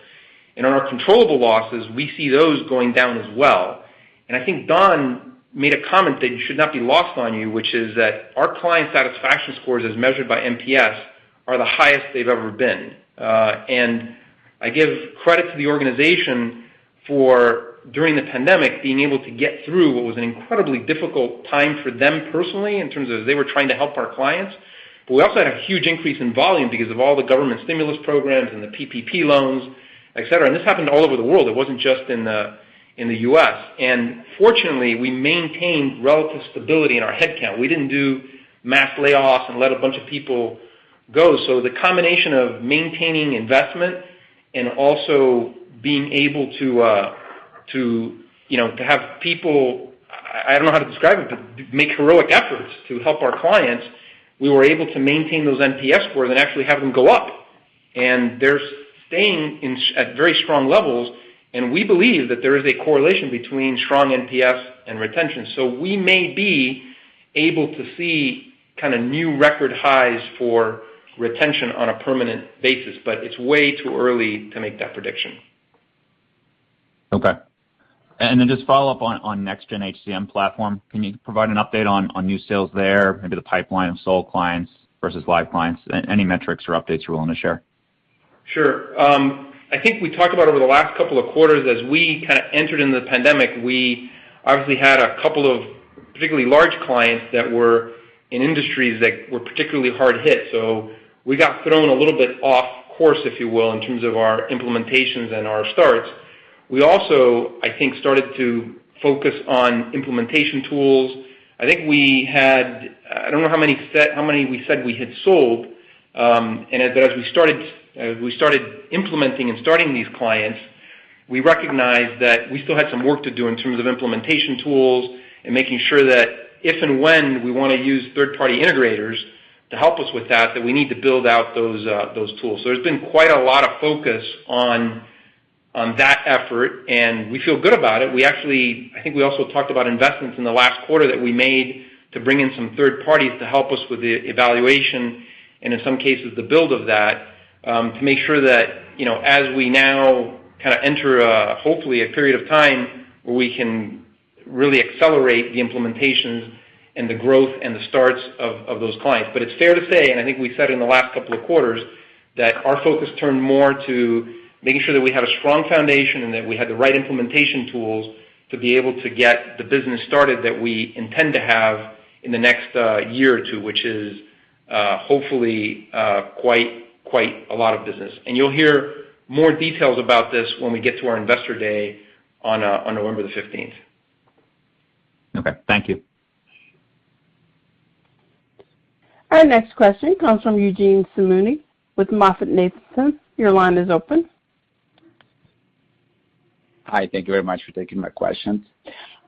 In our controllable losses, we see those going down as well. I think Don made a comment that should not be lost on you, which is that our client satisfaction scores as measured by NPS are the highest they've ever been. I give credit to the organization for, during the pandemic, being able to get through what was an incredibly difficult time for them personally in terms of they were trying to help our clients. But we also had a huge increase in volume because of all the government stimulus programs and the PPP loans, et cetera. This happened all over the world. It wasn't just in the U.S. Fortunately, we maintained relative stability in our headcount. We didn't do mass layoffs and let a bunch of people go. The combination of maintaining investment and also being able to, you know, to have people, I don't know how to describe it, but make heroic efforts to help our clients, we were able to maintain those NPS scores and actually have them go up. They're staying in the 80s at very strong levels, and we believe that there is a correlation between strong NPS and retention. We may be able to see kinda new record highs for retention on a permanent basis, but it's way too early to make that prediction. Okay. Just follow up on Next Gen HCM platform. Can you provide an update on new sales there into the pipeline of sold clients versus live clients? Any metrics or updates you're willing to share? Sure. I think we talked about over the last couple of quarters, as we kinda entered into the pandemic, we obviously had a couple of particularly large clients that were in industries that were particularly hard hit. We got thrown a little bit off course, if you will, in terms of our implementations and our starts. We also, I think, started to focus on implementation tools. I think we had, I don't know how many we said we had sold, but as we started implementing and starting these clients, we recognized that we still had some work to do in terms of implementation tools and making sure that if and when we wanna use third-party integrators to help us with that we need to build out those tools. There's been quite a lot of focus on that effort, and we feel good about it. We actually, I think we also talked about investments in the last quarter that we made to bring in some third parties to help us with the evaluation and, in some cases, the build of that, to make sure that, you know, as we now kinda enter, hopefully a period of time where we can really accelerate the implementations and the growth and the starts of those clients. It's fair to say, and I think we said in the last couple of quarters, that our focus turned more to making sure that we had a strong foundation and that we had the right implementation tools to be able to get the business started that we intend to have in the next year or two, which is hopefully quite a lot of business. You'll hear more details about this when we get to our Investor Day on November 15. Okay. Thank you. Our next question comes from Eugene Simuni with MoffettNathanson. Your line is open. Hi. Thank you very much for taking my questions.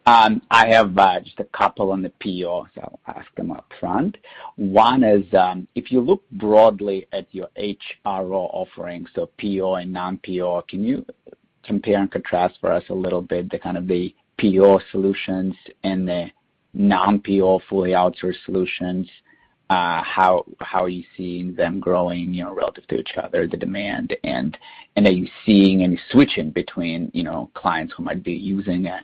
I have just a couple on the PEO, so I'll ask them upfront. One is, if you look broadly at your HRO offerings, so PEO and non-PEO, can you compare and contrast for us a little bit the kind of the PEO solutions and the non-PEO fully outsourced solutions? How are you seeing them growing, you know, relative to each other, the demand? Are you seeing any switching between, you know, clients who might be using a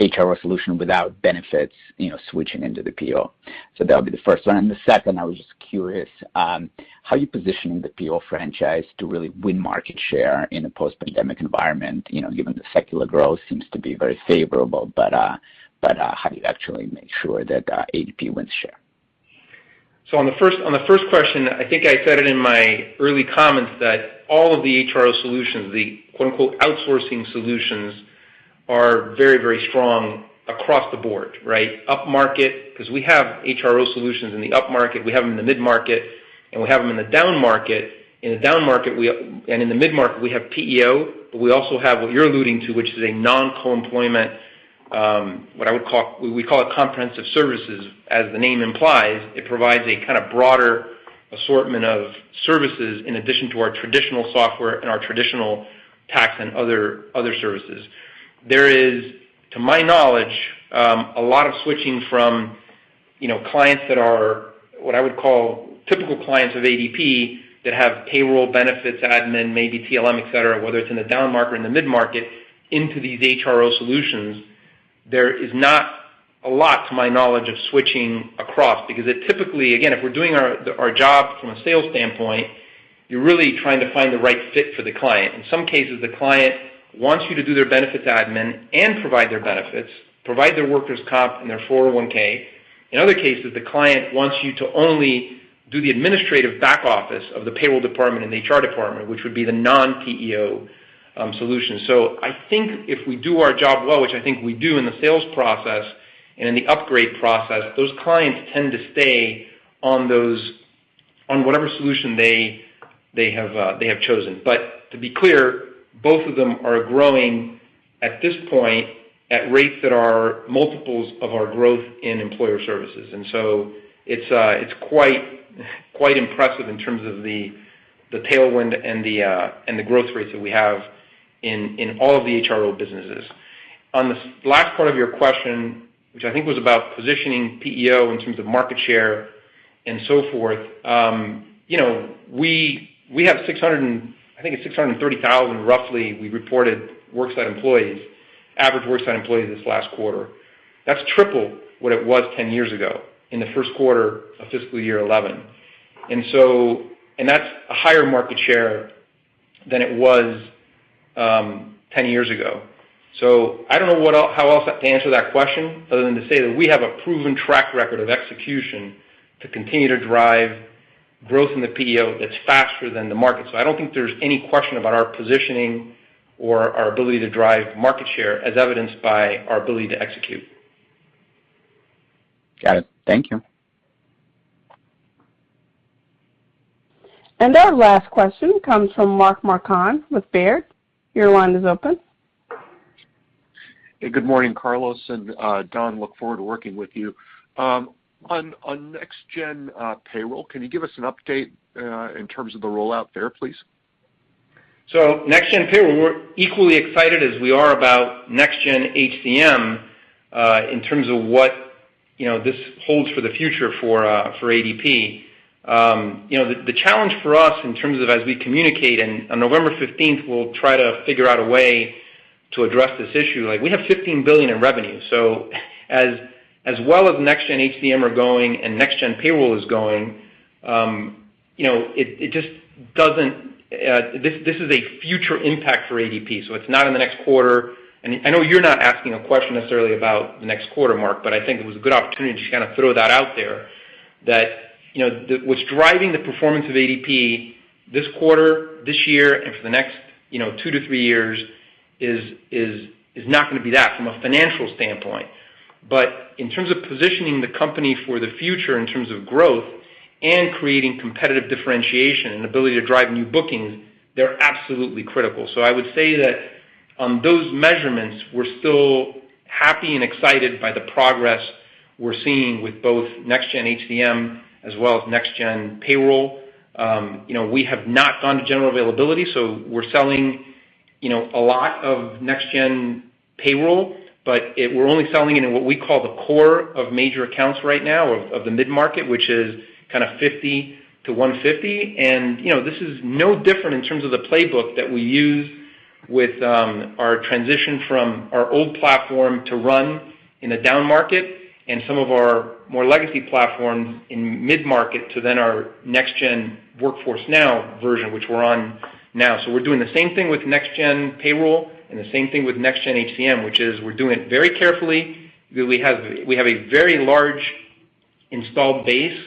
HRO solution without benefits, you know, switching into the PEO? That would be the first one. The second, I was just curious, how are you positioning the PEO franchise to really win market share in a post-pandemic environment, you know, given the secular growth seems to be very favorable, but how do you actually make sure that ADP wins share? On the first question, I think I said it in my early comments that all of the HRO solutions, the quote-unquote outsourcing solutions, are very, very strong across the board, right? Upmarket, 'cause we have HRO solutions in the upmarket, we have them in the mid-market, and we have them in the downmarket. In the downmarket. In the mid-market, we have PEO, but we also have what you're alluding to, which is a non-co-employment, what I would call—we call it comprehensive services. As the name implies, it provides a kind of broader assortment of services in addition to our traditional software and our traditional tax and other services. There is, to my knowledge, a lot of switching from, you know, clients that are what I would call typical clients of ADP that have payroll benefits, admin, maybe TLM, et cetera, whether it's in the downmarket or in the mid-market, into these HRO solutions. There is not a lot, to my knowledge, of switching across because it typically. Again, if we're doing our job from a sales standpoint, you're really trying to find the right fit for the client. In some cases, the client wants you to do their benefits admin and provide their benefits, provide their workers' comp and their 401(k). In other cases, the client wants you to only do the administrative back office of the payroll department and the HR department, which would be the non-PEO solution. I think if we do our job well, which I think we do in the sales process and in the upgrade process, those clients tend to stay on whatever solution they have chosen. To be clear, both of them are growing at this point at rates that are multiples of our growth in Employer Services. It's quite impressive in terms of the tailwind and the growth rates that we have in all of the HRO businesses. On the last part of your question, which I think was about positioning PEO in terms of market share and so forth, we have 600 and—I think it's 630,000, roughly, we reported average worksite employees this last quarter. That's triple what it was 10 years ago in the first quarter of fiscal year 11. That's a higher market share than it was 10 years ago. I don't know how else to answer that question other than to say that we have a proven track record of execution to continue to drive growth in the PEO that's faster than the market. I don't think there's any question about our positioning or our ability to drive market share, as evidenced by our ability to execute. Got it. Thank you. Our last question comes from Mark Marcon with Baird. Your line is open. Hey, good morning, Carlos, and Don. I look forward to working with you. On Next Gen Payroll, can you give us an update in terms of the rollout there, please? Next Gen Payroll, we're equally excited as we are about Next Gen HCM in terms of what you know this holds for the future for ADP. You know the challenge for us in terms of as we communicate, and on November fifteenth we'll try to figure out a way to address this issue. Like, we have $15 billion in revenue, so as well as Next Gen HCM are going and Next Gen Payroll is going, you know, it just doesn't. This is a future impact for ADP, so it's not in the next quarter. I know you're not asking a question necessarily about the next quarter, Mark, but I think it was a good opportunity to just kind of throw that out there, that, you know, what's driving the performance of ADP this quarter, this year, and for the next, you know, two to three years is not going to be that from a financial standpoint. In terms of positioning the company for the future in terms of growth and creating competitive differentiation and ability to drive new bookings, they're absolutely critical. I would say that on those measurements, we're still happy and excited by the progress we're seeing with both Next Gen HCM as well as Next Gen Payroll. You know, we have not gone to general availability, so we're selling, you know, a lot of Next Gen Payroll, but we're only selling it in what we call the core of major accounts right now, of the mid-market, which is kind of 50-150. You know, this is no different in terms of the playbook that we use with our transition from our old platform to RUN in a down market and some of our more legacy platforms in mid-market to then our Next Gen Workforce Now version, which we're on now. We're doing the same thing with Next Gen Payroll and the same thing with Next Gen HCM, which is we're doing it very carefully, that we have a very large installed base,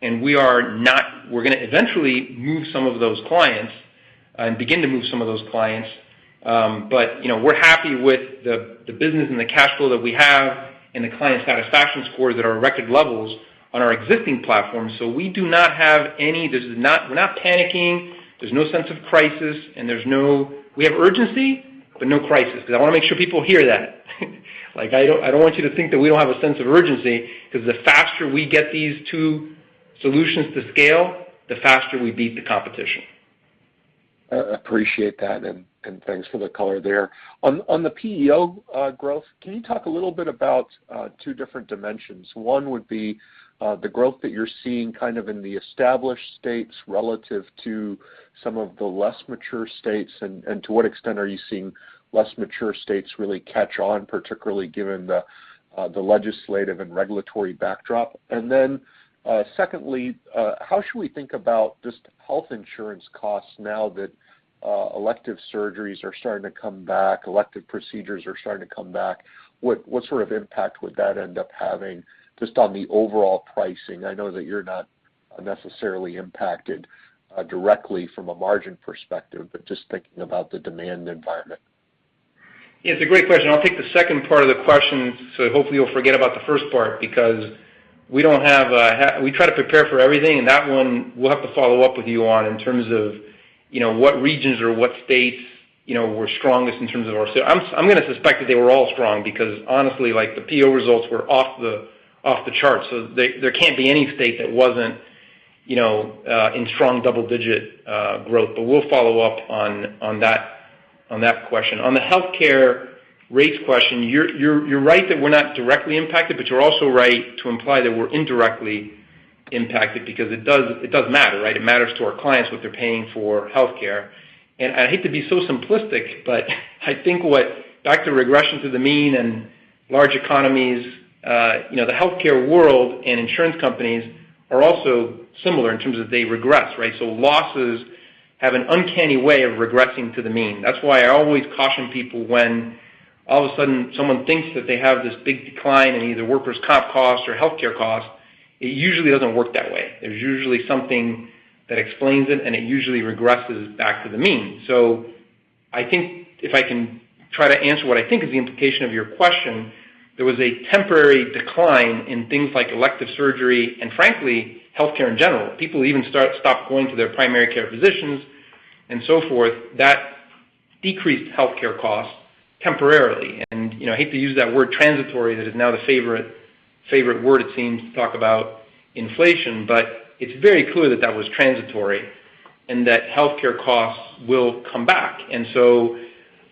and we're going to eventually move some of those clients, but you know, we're happy with the business and the cash flow that we have and the client satisfaction scores that are at record levels on our existing platform. We're not panicking. There's no sense of crisis, and there's no. We have urgency, but no crisis, because I want to make sure people hear that. Like, I don't want you to think that we don't have a sense of urgency, because the faster we get these two solutions to scale, the faster we beat the competition. I appreciate that, and thanks for the color there. On the PEO growth, can you talk a little bit about two different dimensions? One would be the growth that you're seeing kind of in the established states relative to some of the less mature states and to what extent are you seeing less mature states really catch on, particularly given the legislative and regulatory backdrop? Secondly, how should we think about just health insurance costs now that elective surgeries are starting to come back, elective procedures are starting to come back? What sort of impact would that end up having just on the overall pricing? I know that you're not necessarily impacted directly from a margin perspective, but just thinking about the demand environment. It's a great question. I'll take the second part of the question, so hopefully you'll forget about the first part because we try to prepare for everything, and that one we'll have to follow up with you on in terms of, you know, what regions or what states, you know, were strongest in terms of our sales. I'm going to suspect that they were all strong because honestly, like, the PEO results were off the charts, so there can't be any state that wasn't, you know, in strong double-digit growth. But we'll follow up on that question. On the healthcare rates question, you're right that we're not directly impacted, but you're also right to imply that we're indirectly impacted because it does matter, right? It matters to our clients what they're paying for healthcare. I hate to be so simplistic, but I think back to regression to the mean and large economies, you know, the healthcare world and insurance companies are also similar in terms of they regress, right? Losses have an uncanny way of regressing to the mean. That's why I always caution people when all of a sudden, someone thinks that they have this big decline in either workers' comp costs or healthcare costs. It usually doesn't work that way. There's usually something that explains it, and it usually regresses back to the mean. I think if I can try to answer what I think is the implication of your question, there was a temporary decline in things like elective surgery and frankly, healthcare in general. People even stopped going to their primary care physicians and so forth. That decreased healthcare costs temporarily. You know, I hate to use that word transitory, that is now the favorite word it seems to talk about inflation. But it's very clear that that was transitory and that healthcare costs will come back.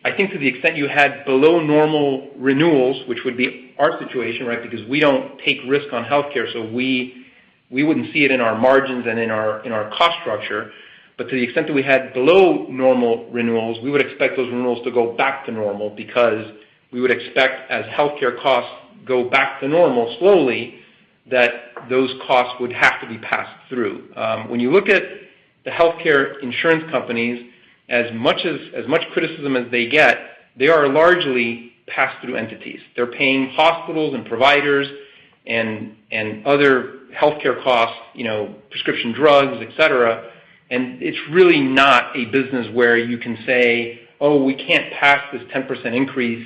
I think to the extent you had below normal renewals, which would be our situation, right? Because we don't take risk on healthcare, so we wouldn't see it in our margins and in our cost structure. But to the extent that we had below normal renewals, we would expect those renewals to go back to normal because we would expect, as healthcare costs go back to normal slowly, that those costs would have to be passed through. When you look at the healthcare insurance companies, as much criticism as they get, they are largely pass-through entities. They're paying hospitals and providers and other healthcare costs, you know, prescription drugs, et cetera. It's really not a business where you can say, "Oh, we can't pass this 10% increase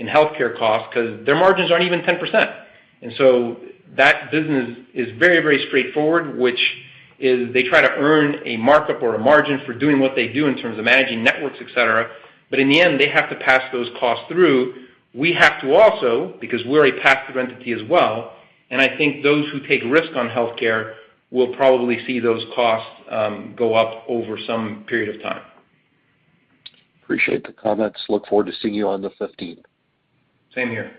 in healthcare costs," 'cause their margins aren't even 10%. That business is very, very straightforward, which is they try to earn a markup or a margin for doing what they do in terms of managing networks, et cetera. In the end, they have to pass those costs through. We have to also, because we're a pass-through entity as well. I think those who take risk on healthcare will probably see those costs go up over some period of time. Appreciate the comments. Look forward to seeing you on the fifteenth. Same here.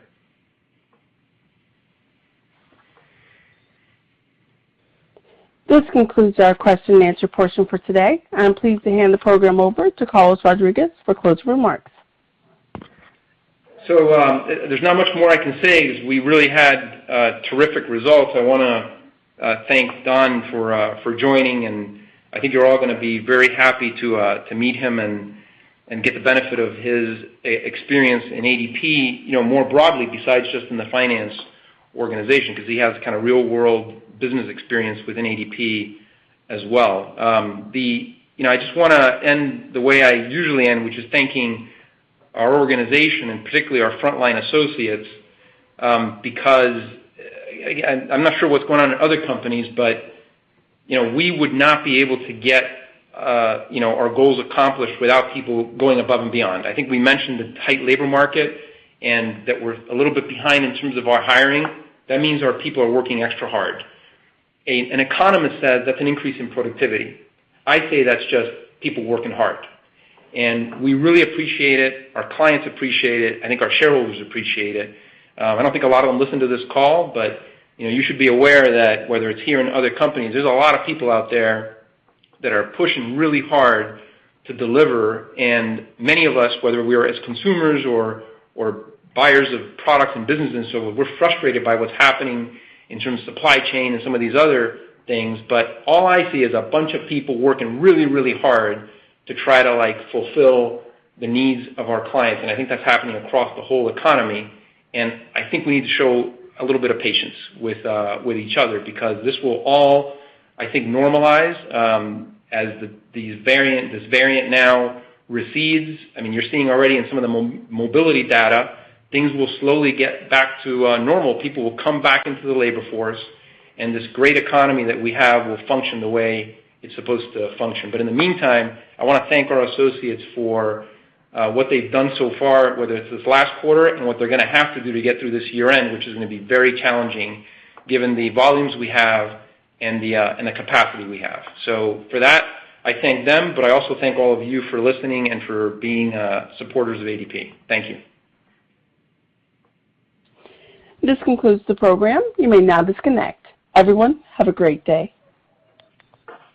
This concludes our question and answer portion for today. I'm pleased to hand the program over to Carlos Rodriguez for closing remarks. There's not much more I can say, 'cause we really had terrific results. I wanna thank Don for joining, and I think you're all gonna be very happy to meet him and get the benefit of his experience in ADP, you know, more broadly besides just in the finance organization, 'cause he has kind of real world business experience within ADP as well. You know, I just wanna end the way I usually end, which is thanking our organization and particularly our frontline associates, because, again, I'm not sure what's going on in other companies, but, you know, we would not be able to get our goals accomplished without people going above and beyond. I think we mentioned the tight labor market and that we're a little bit behind in terms of our hiring. That means our people are working extra hard. An economist says that's an increase in productivity. I say that's just people working hard. We really appreciate it. Our clients appreciate it. I think our shareholders appreciate it. I don't think a lot of them listen to this call, but, you know, you should be aware that whether it's here in other companies, there's a lot of people out there that are pushing really hard to deliver. Many of us, whether we are as consumers or buyers of products and businesses, we're frustrated by what's happening in terms of supply chain and some of these other things. All I see is a bunch of people working really, really hard to try to, like, fulfill the needs of our clients. I think that's happening across the whole economy, and I think we need to show a little bit of patience with each other because this will all, I think, normalize as this variant now recedes. I mean, you're seeing already in some of the mobility data, things will slowly get back to normal. People will come back into the labor force, and this great economy that we have will function the way it's supposed to function. In the meantime, I wanna thank our associates for what they've done so far, whether it's this last quarter and what they're gonna have to do to get through this year-end, which is gonna be very challenging given the volumes we have and the capacity we have. For that, I thank them, but I also thank all of you for listening and for being supporters of ADP. Thank you. This concludes the program. You may now disconnect. Everyone, have a great day.